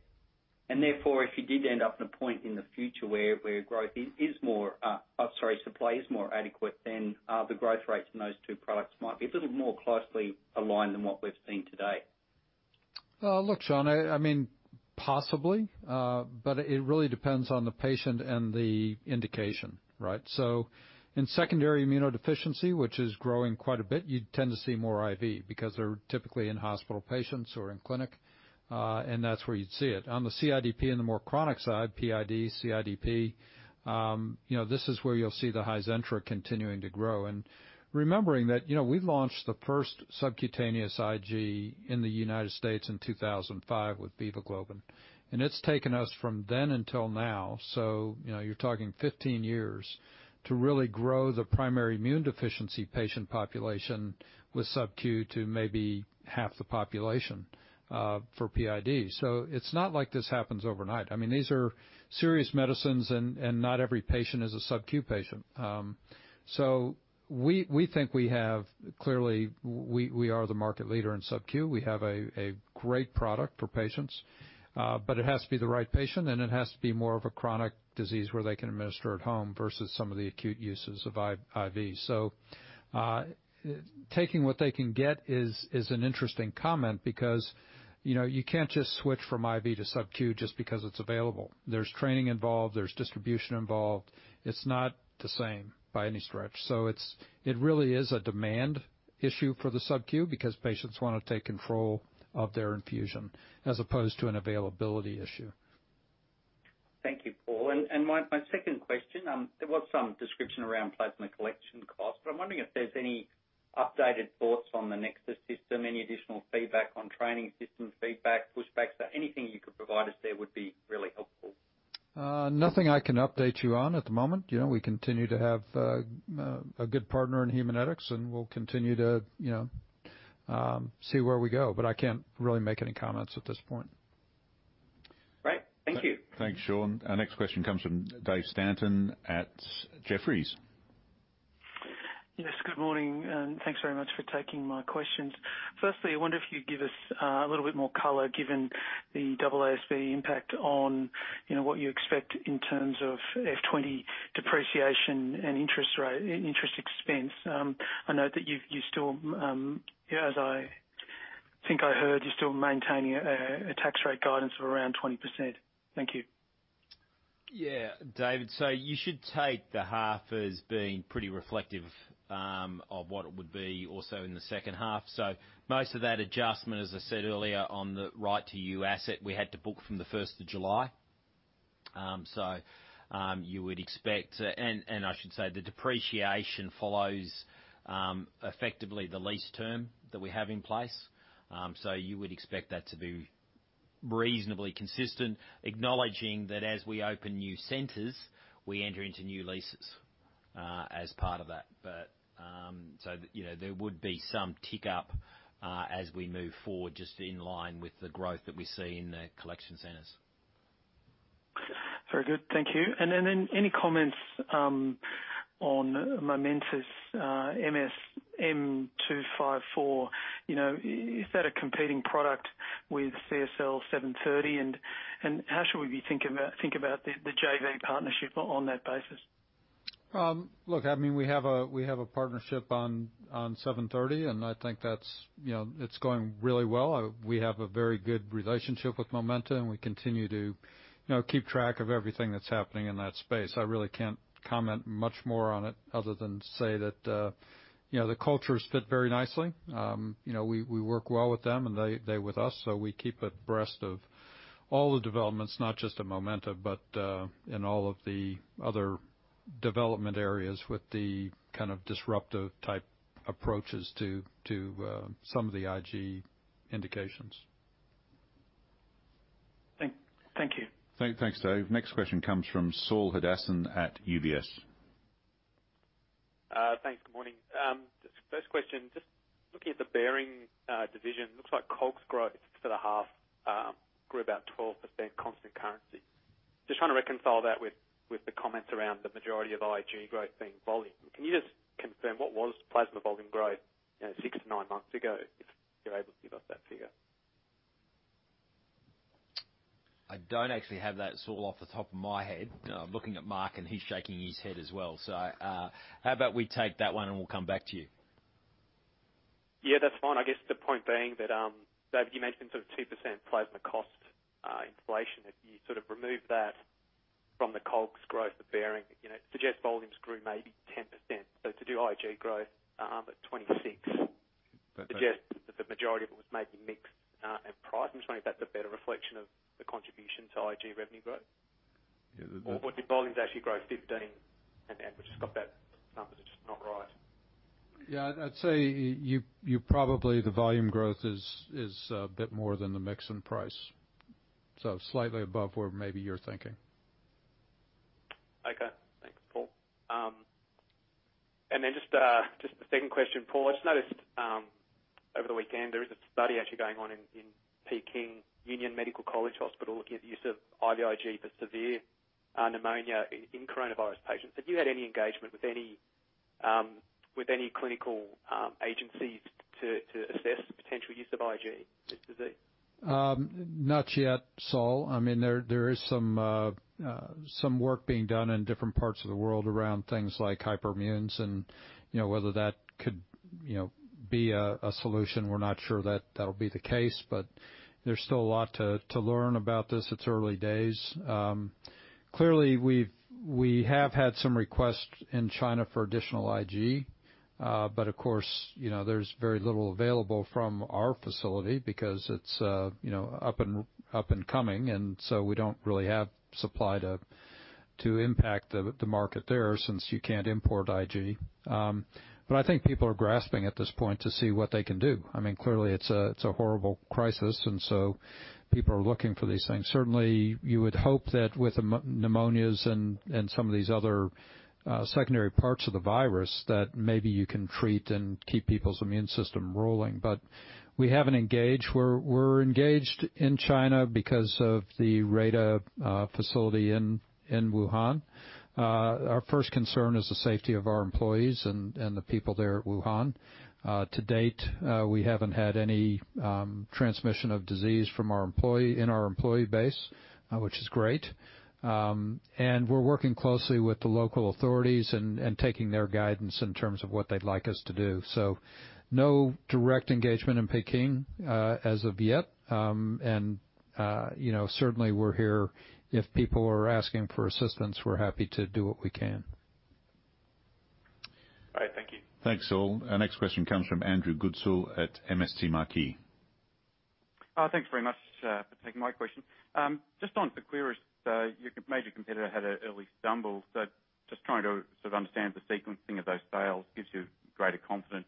Therefore, if you did end up in a point in the future where growth is more, or, sorry, supply is more adequate, then the growth rates in those two products might be a little more closely aligned than what we've seen to date. Sean, possibly. It really depends on the patient and the indication, right? In secondary immunodeficiency, which is growing quite a bit, you tend to see more IV because they're typically in-hospital patients or in clinic, and that's where you'd see it. On the CIDP and the more chronic side, PID, CIDP, this is where you'll see the HIZENTRA continuing to grow. Remembering that we launched the first subcutaneous IG in the U.S. in 2005 with Vivaglobin. It's taken us from then until now, so you're talking 15 years, to really grow the primary immune deficiency patient population with sub Q to maybe half the population for PID. It's not like this happens overnight. These are serious medicines, and not every patient is a sub Q patient. We think Clearly, we are the market leader in sub Q. We have a great product for patients. It has to be the right patient, and it has to be more of a chronic disease where they can administer at home versus some of the acute uses of IV. Taking what they can get is an interesting comment because you can't just switch from IV to sub-Q just because it's available. There's training involved. There's distribution involved. It's not the same by any stretch. It really is a demand issue for the sub-Q because patients want to take control of their infusion as opposed to an availability issue. Thank you, Paul. My second question, there was some description around plasma collection costs, but I'm wondering if there's any updated thoughts on the NexSys system, any additional feedback on training system feedback, pushbacks? Anything you could provide us there would be really helpful. Nothing I can update you on at the moment. We continue to have a good partner in Haemonetics. We'll continue to see where we go. I can't really make any comments at this point. Great. Thank you. Thanks, Sean. Our next question comes from David Stanton at Jefferies. Yes, good morning, and thanks very much for taking my questions. Firstly, I wonder if you'd give us a little bit more color, given the AASB impact on what you expect in terms of FY 2020 depreciation and interest expense. I note that you still, as I think I heard, you're still maintaining a tax rate guidance of around 20%. Thank you. David, you should take the half as being pretty reflective of what it would be also in the second half. Most of that adjustment, as I said earlier on the right-of-use asset, we had to book from the 1st of July. I should say the depreciation follows effectively the lease term that we have in place. You would expect that to be reasonably consistent, acknowledging that as we open new centers, we enter into new leases as part of that. There would be some tick up as we move forward, just in line with the growth that we see in the collection centers. Very good. Thank you. Any comments on Momenta's MS-M254? Is that a competing product with CSL730, and how should we think about the JV partnership on that basis? Look, we have a partnership on CSL730, and I think that's going really well. We have a very good relationship with Momenta, and we continue to keep track of everything that's happening in that space. I really can't comment much more on it other than say that the cultures fit very nicely. We work well with them, and they with us. We keep abreast of all the developments, not just at Momenta, but in all of the other development areas with the kind of disruptive type approaches to some of the IG indications. Thank you. Thanks, Dave. Next question comes from Saul Hadassin at UBS. Thanks. Good morning. First question, just looking at the Behring division, looks like COGS growth for the half grew about 12% constant currency. Just trying to reconcile that with the comments around the majority of IG growth being volume. Can you just confirm what was plasma volume growth six to nine months ago, if you're able to give us that figure? I don't actually have that, Saul, off the top of my head. Looking at Mark, and he's shaking his head as well. How about we take that one, and we'll come back to you? Yeah, that's fine. I guess the point being that, David, you mentioned 2% plasma cost inflation. If you remove that from the COGS growth of Behring, it suggests volumes grew maybe 10%. To do IG growth at 26% suggests that the majority of it was maybe mix and price. I'm just wondering if that's a better reflection of the contribution to IG revenue growth. Yeah. Did volumes actually grow 15%, and we've just got that number, it's just not right. Yeah, I'd say, probably, the volume growth is a bit more than the mix in price. Slightly above where maybe you're thinking. Okay. Thanks, Paul. Just the second question, Paul. I just noticed over the weekend, there is a study actually going on in Peking Union Medical College Hospital looking at the use of IVIG for severe pneumonia in coronavirus patients. Have you had any engagement with any clinical agencies to assess the potential use of IG for this disease? Not yet, Saul. There is some work being done in different parts of the world around things like hyperimmunes and whether that could be a solution. We're not sure that'll be the case, there's still a lot to learn about this. It's early days. Clearly, we have had some requests in China for additional IG. Of course, there's very little available from our facility because it's up and coming, we don't really have supply to impact the market there, since you can't import IG. I think people are grasping at this point to see what they can do. Clearly, it's a horrible crisis, people are looking for these things. Certainly, you would hope that with pneumonias and some of these other secondary parts of the virus, that maybe you can treat and keep people's immune system rolling. We haven't engaged. We're engaged in China because of the Rada facility in Wuhan. Our first concern is the safety of our employees and the people there at Wuhan. To date, we haven't had any transmission of disease in our employee base, which is great. We're working closely with the local authorities and taking their guidance in terms of what they'd like us to do. No direct engagement in Peking as of yet. Certainly, we're here if people are asking for assistance. We're happy to do what we can. All right. Thank you. Thanks, Saul. Our next question comes from Andrew Goodsall at MST Marquee. Thanks very much for taking my question. Just on [Tecoris], your major competitor had an early stumble. Just trying to sort of understand the sequencing of those sales. Gives you greater confidence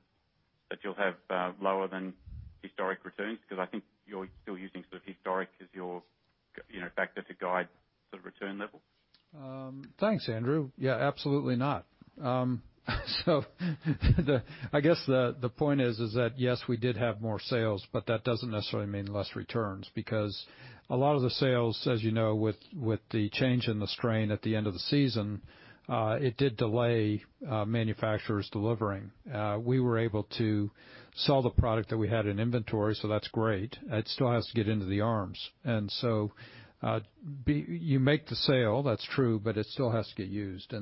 that you'll have lower than historic returns, because I think you're still using sort of historic as your factor to guide sort of return level. Thanks, Andrew. Yeah, absolutely not. I guess the point is that, yes, we did have more sales, but that doesn't necessarily mean less returns because a lot of the sales, as you know, with the change in the strain at the end of the season, it did delay manufacturers delivering. We were able to sell the product that we had in inventory, so that's great. It still has to get into the arms. You make the sale, that's true, but it still has to get used.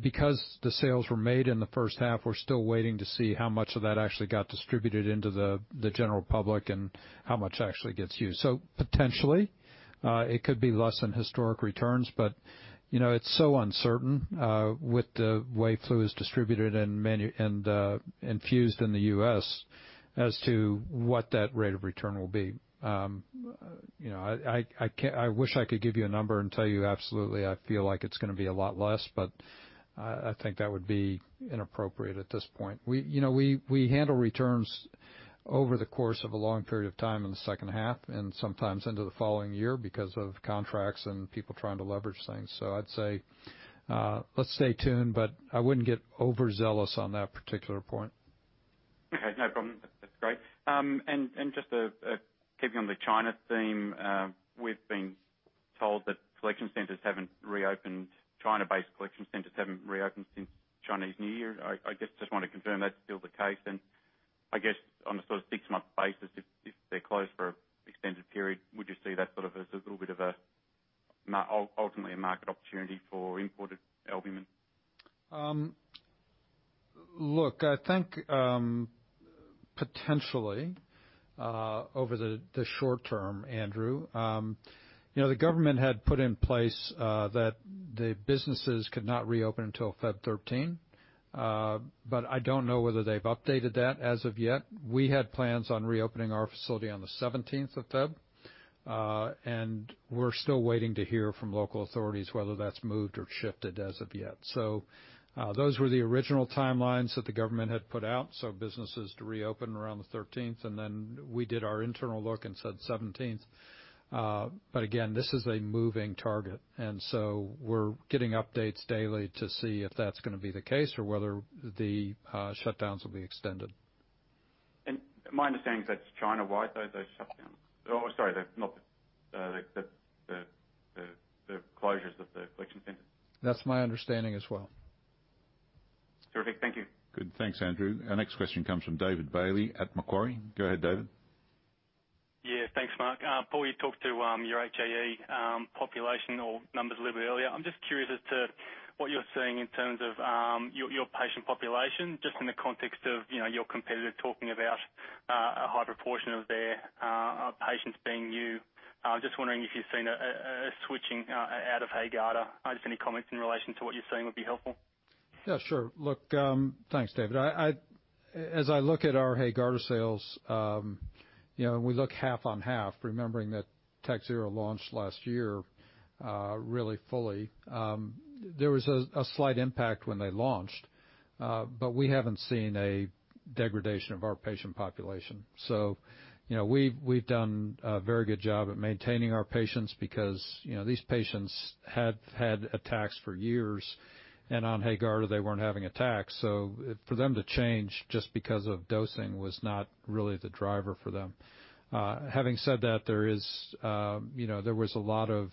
Because the sales were made in the first half, we're still waiting to see how much of that actually got distributed into the general public and how much actually gets used. Potentially, it could be less than historic returns, but it's so uncertain with the way flu is distributed and infused in the U.S. as to what that rate of return will be. I wish I could give you a number and tell you absolutely I feel like it's going to be a lot less, but I think that would be inappropriate at this point. We handle returns over the course of a long period of time in the second half and sometimes into the following year because of contracts and people trying to leverage things. I'd say, let's stay tuned, but I wouldn't get overzealous on that particular point. Okay, no problem. That's great. Just keeping on the China theme, we've been told that collection centers haven't reopened, China-based collection centers haven't reopened since Chinese New Year. I just want to confirm that's still the case. I guess on a sort of six-month basis, if they're closed for an extended period, would you see that sort of as a little bit of ultimately a market opportunity for imported albumin? Potentially over the short term, Andrew. The government had put in place that the businesses could not reopen until February 13, I don't know whether they've updated that as of yet. We had plans on reopening our facility on the 17th of February, we're still waiting to hear from local authorities whether that's moved or shifted as of yet. Those were the original timelines that the government had put out. Businesses to reopen around the 13th, we did our internal look and said 17th. Again, this is a moving target, we're getting updates daily to see if that's going to be the case or whether the shutdowns will be extended. My understanding is that's China-wide, those shutdowns. sorry, the closures of the collection centers. That's my understanding as well. Terrific. Thank you. Good. Thanks, Andrew. Our next question comes from David Bailey at Macquarie. Go ahead, David. Thanks, Mark. Paul, you talked to your HAE population or numbers a little bit earlier. I'm just curious as to what you're seeing in terms of your patient population, just in the context of your competitor talking about a higher proportion of their patients being you. Just wondering if you've seen a switching out of HAEGARDA. Just any comments in relation to what you're seeing would be helpful. Yeah, sure. Look, thanks, David. As I look at our HAEGARDA sales, we look half on half, remembering that TAKHZYRO launched last year really fully. There was a slight impact when they launched, we haven't seen a degradation of our patient population. We've done a very good job at maintaining our patients because these patients have had attacks for years, and on HAEGARDA, they weren't having attacks. For them to change just because of dosing was not really the driver for them. Having said that, there was a lot of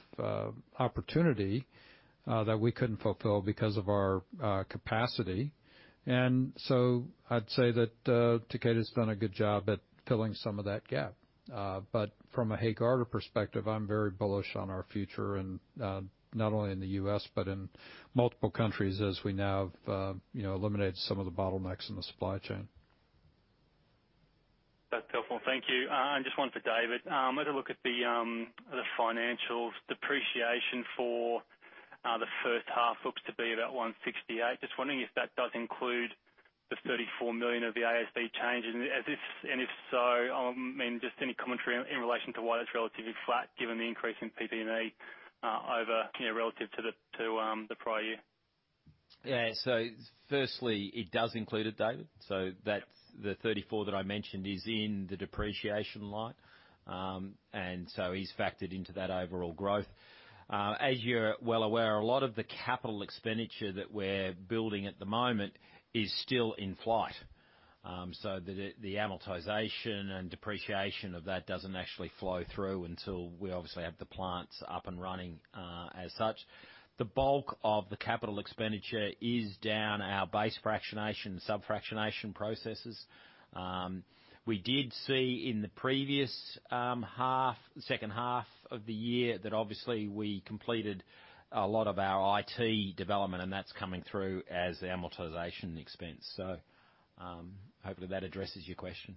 opportunity that we couldn't fulfill because of our capacity. I'd say that Takeda's done a good job at filling some of that gap. From a HAEGARDA perspective, I'm very bullish on our future, and not only in the U.S., but in multiple countries as we now have eliminated some of the bottlenecks in the supply chain. That's helpful. Thank you. Just one for David. As I look at the financials, depreciation for the first half looks to be about 168. Just wondering if that does include the 34 million of the AASB change, and if so, just any commentary in relation to why that's relatively flat given the increase in PP&E over relative to the prior year. Yeah. Firstly, it does include it, David. The 34 that I mentioned is in the depreciation line. Is factored into that overall growth. As you're well aware, a lot of the capital expenditure that we're building at the moment is still in flight. The amortization and depreciation of that doesn't actually flow through until we obviously have the plants up and running as such. The bulk of the capital expenditure is down our base fractionation, sub-fractionation processes. We did see in the previous second half of the year that obviously we completed a lot of our IT development, and that's coming through as the amortization expense. Hopefully that addresses your question.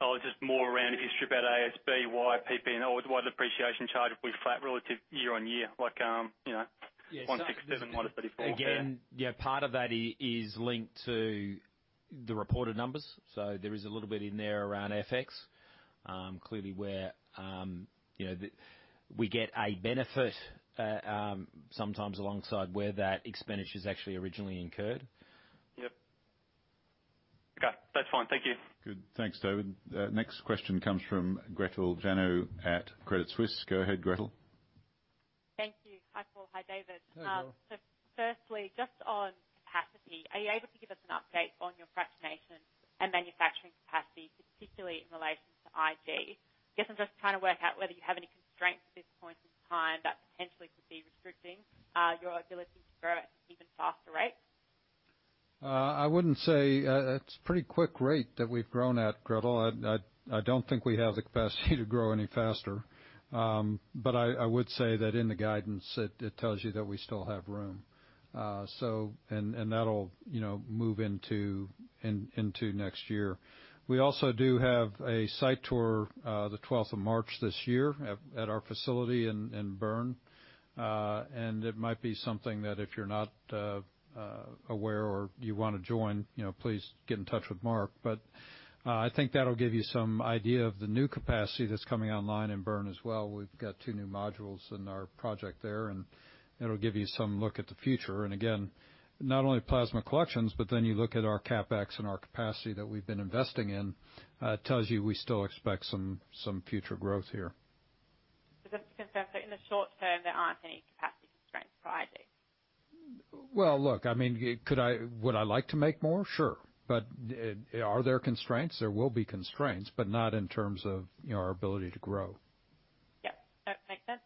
I was just more around if you strip out ASB, why PP and why the depreciation charge was flat relative year-over-year, like 167 minus 34. Again, yeah, part of that is linked to the reported numbers. There is a little bit in there around FX, clearly where we get a benefit sometimes alongside where that expenditure's actually originally incurred. Yep. Okay, that's fine. Thank you. Good. Thanks, David. Next question comes from Gretel Janu at Credit Suisse. Go ahead, Gretel. Thank you. Hi, Paul. Hi, David. Hey, Gretel. Firstly, just on capacity, are you able to give us an update on your fractionation and manufacturing capacity, particularly in relation to IG? Guess I'm just trying to work out whether you have any constraints at this point in time that potentially could be restricting your ability to grow at even faster rates. It's pretty quick rate that we've grown at, Gretel. I don't think we have the capacity to grow any faster. I would say that in the guidance, it tells you that we still have room. That'll move into next year. We also do have a site tour the 12th of March this year at our facility in Bern. It might be something that if you're not aware or you want to join, please get in touch with Mark. I think that'll give you some idea of the new capacity that's coming online in Bern as well. We've got two new modules in our project there, and it'll give you some look at the future. Again, not only plasma collections, but then you look at our CapEx and our capacity that we've been investing in, tells you we still expect some future growth here. Just to confirm, so in the short term, there aren't any capacity constraints for IG? Well, look, would I like to make more? Sure. Are there constraints? There will be constraints, not in terms of our ability to grow. Yep. That makes sense.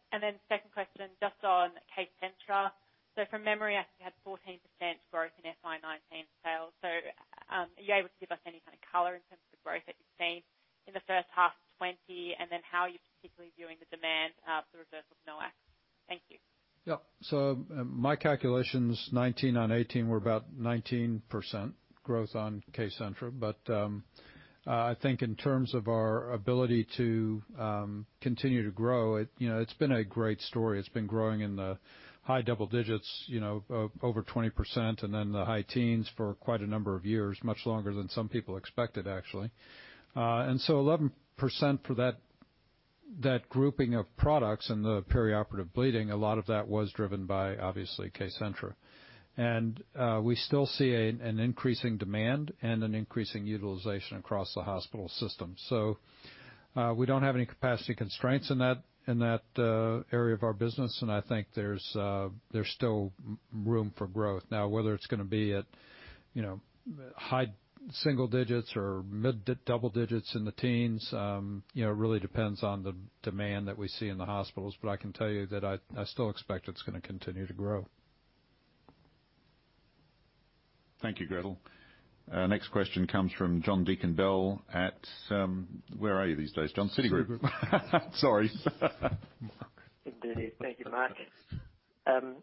Second question, just on KCENTRA. From memory, I think you had 14% growth in FY 2019 sales. Are you able to give us any kind of color in terms of the growth that you've seen in the first half of 2020, and then how are you particularly viewing the demand for reversal of NOACs? Thank you. Yeah. My calculations 2019 on 2018 were about 19% growth on KCENTRA. I think in terms of our ability to continue to grow, it's been a great story. It's been growing in the high double digits, over 20%, and then the high teens for quite a number of years, much longer than some people expected, actually. 11% for that grouping of products and the perioperative bleeding, a lot of that was driven by, obviously, KCENTRA. We still see an increasing demand and an increasing utilization across the hospital system. We don't have any capacity constraints in that area of our business, and I think there's still room for growth. Now, whether it's going to be at high single digits or mid double digits in the teens, really depends on the demand that we see in the hospitals. I can tell you that I still expect it's going to continue to grow. Thank you, Gretel. Our next question comes from John Deakin-Bell at. Where are you these days, John? Citigroup. Sorry. Indeed. Thank you, Mark. I've got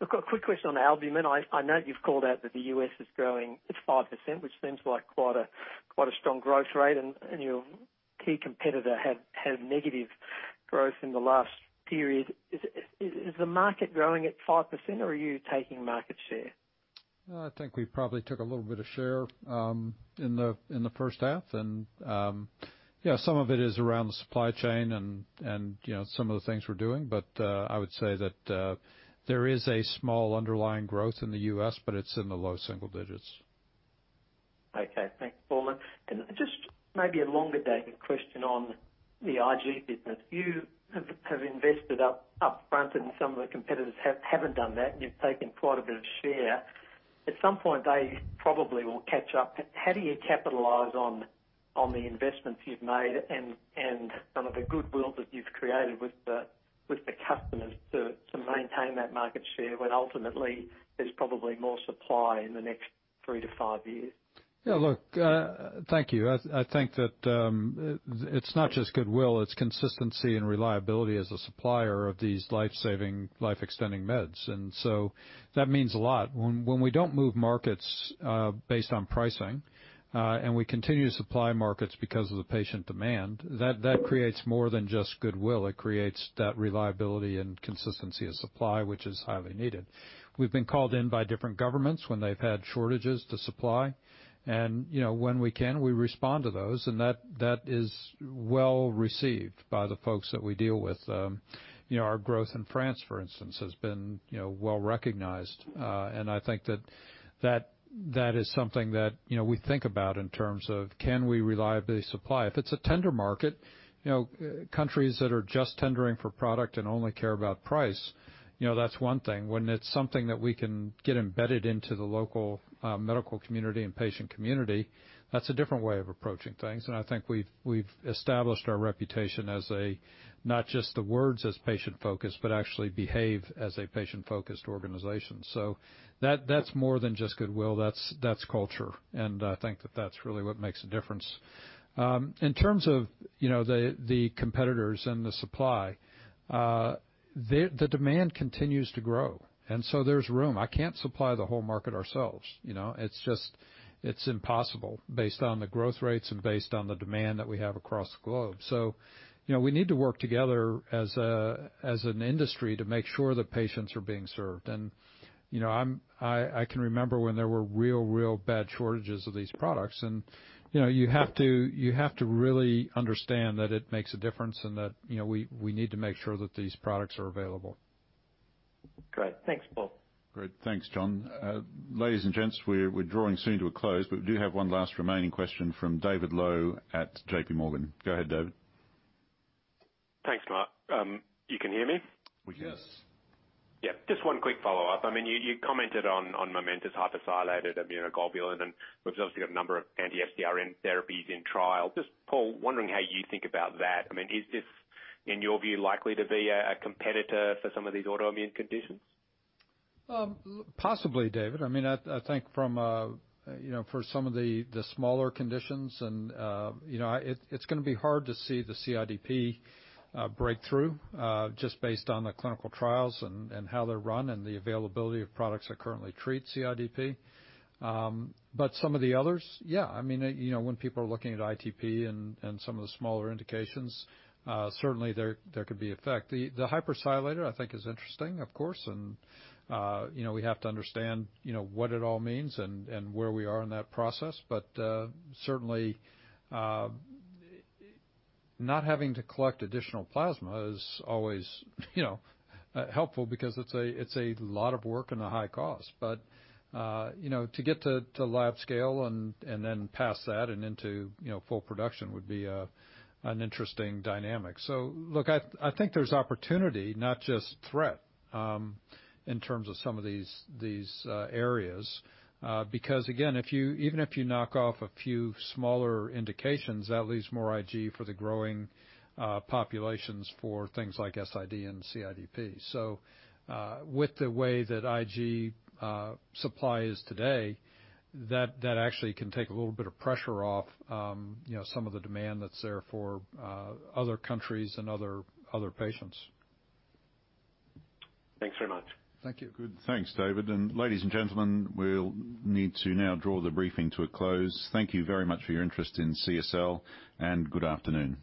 a quick question on albumin. I know you've called out that the U.S. is growing at 5%, which seems like quite a strong growth rate, and your key competitor had negative growth in the last period. Is the market growing at 5% or are you taking market share? I think we probably took a little bit of share in the first half. Yeah, some of it is around the supply chain and some of the things we're doing. I would say that there is a small underlying growth in the U.S., but it's in the low single digits. Okay. Thanks, Paul. Just maybe a longer-dated question on the IG business. You have invested upfront and some of the competitors haven't done that, and you've taken quite a bit of share. At some point, they probably will catch up. How do you capitalize on the investments you've made and some of the goodwill that you've created with the customers to maintain that market share, when ultimately there's probably more supply in the next three to five years? Yeah. Look, thank you. I think that it's not just goodwill, it's consistency and reliability as a supplier of these life-saving, life-extending meds. That means a lot. When we don't move markets based on pricing, and we continue to supply markets because of the patient demand, that creates more than just goodwill. It creates that reliability and consistency of supply, which is highly needed. We've been called in by different governments when they've had shortages to supply. When we can, we respond to those, and that is well-received by the folks that we deal with. Our growth in France, for instance, has been well-recognized. I think that is something that we think about in terms of can we reliably supply? If it's a tender market, countries that are just tendering for product and only care about price, that's one thing. When it's something that we can get embedded into the local medical community and patient community, that's a different way of approaching things. I think we've established our reputation as a, not just the words as patient-focused, but actually behave as a patient-focused organization. That's more than just goodwill, that's culture. I think that that's really what makes a difference. In terms of the competitors and the supply, the demand continues to grow, and so there's room. I can't supply the whole market ourselves. It's impossible based on the growth rates and based on the demand that we have across the globe. We need to work together as an industry to make sure that patients are being served. I can remember when there were real bad shortages of these products and you have to really understand that it makes a difference and that we need to make sure that these products are available. Great. Thanks, Paul. Great. Thanks, John. Ladies and gents, we're drawing soon to a close. We do have one last remaining question from David Low at JPMorgan. Go ahead, David. Thanks, Mark. You can hear me? We can. Yes. Just one quick follow-up. You commented on Momenta hypersialylated immunoglobulin, and we've obviously got a number of anti-FcRn therapies in trial. Just Paul, wondering how you think about that, is this, in your view, likely to be a competitor for some of these autoimmune conditions? Possibly, David. I think for some of the smaller conditions, it's going to be hard to see the CIDP breakthrough, just based on the clinical trials and how they're run and the availability of products that currently treat CIDP. Some of the others, yeah. When people are looking at ITP and some of the smaller indications, certainly there could be effect. The hypersialylated, I think is interesting, of course. We have to understand what it all means and where we are in that process. Certainly, not having to collect additional plasma is always helpful because it's a lot of work and a high cost. To get to lab scale and then past that and into full production would be an interesting dynamic. Look, I think there's opportunity, not just threat, in terms of some of these areas. Again, even if you knock off a few smaller indications, that leaves more IG for the growing populations for things like SID and CIDP. With the way that IG supply is today, that actually can take a little bit of pressure off some of the demand that's there for other countries and other patients. Thanks very much. Thank you. Good. Thanks, David. Ladies and gentlemen, we'll need to now draw the briefing to a close. Thank you very much for your interest in CSL, and good afternoon.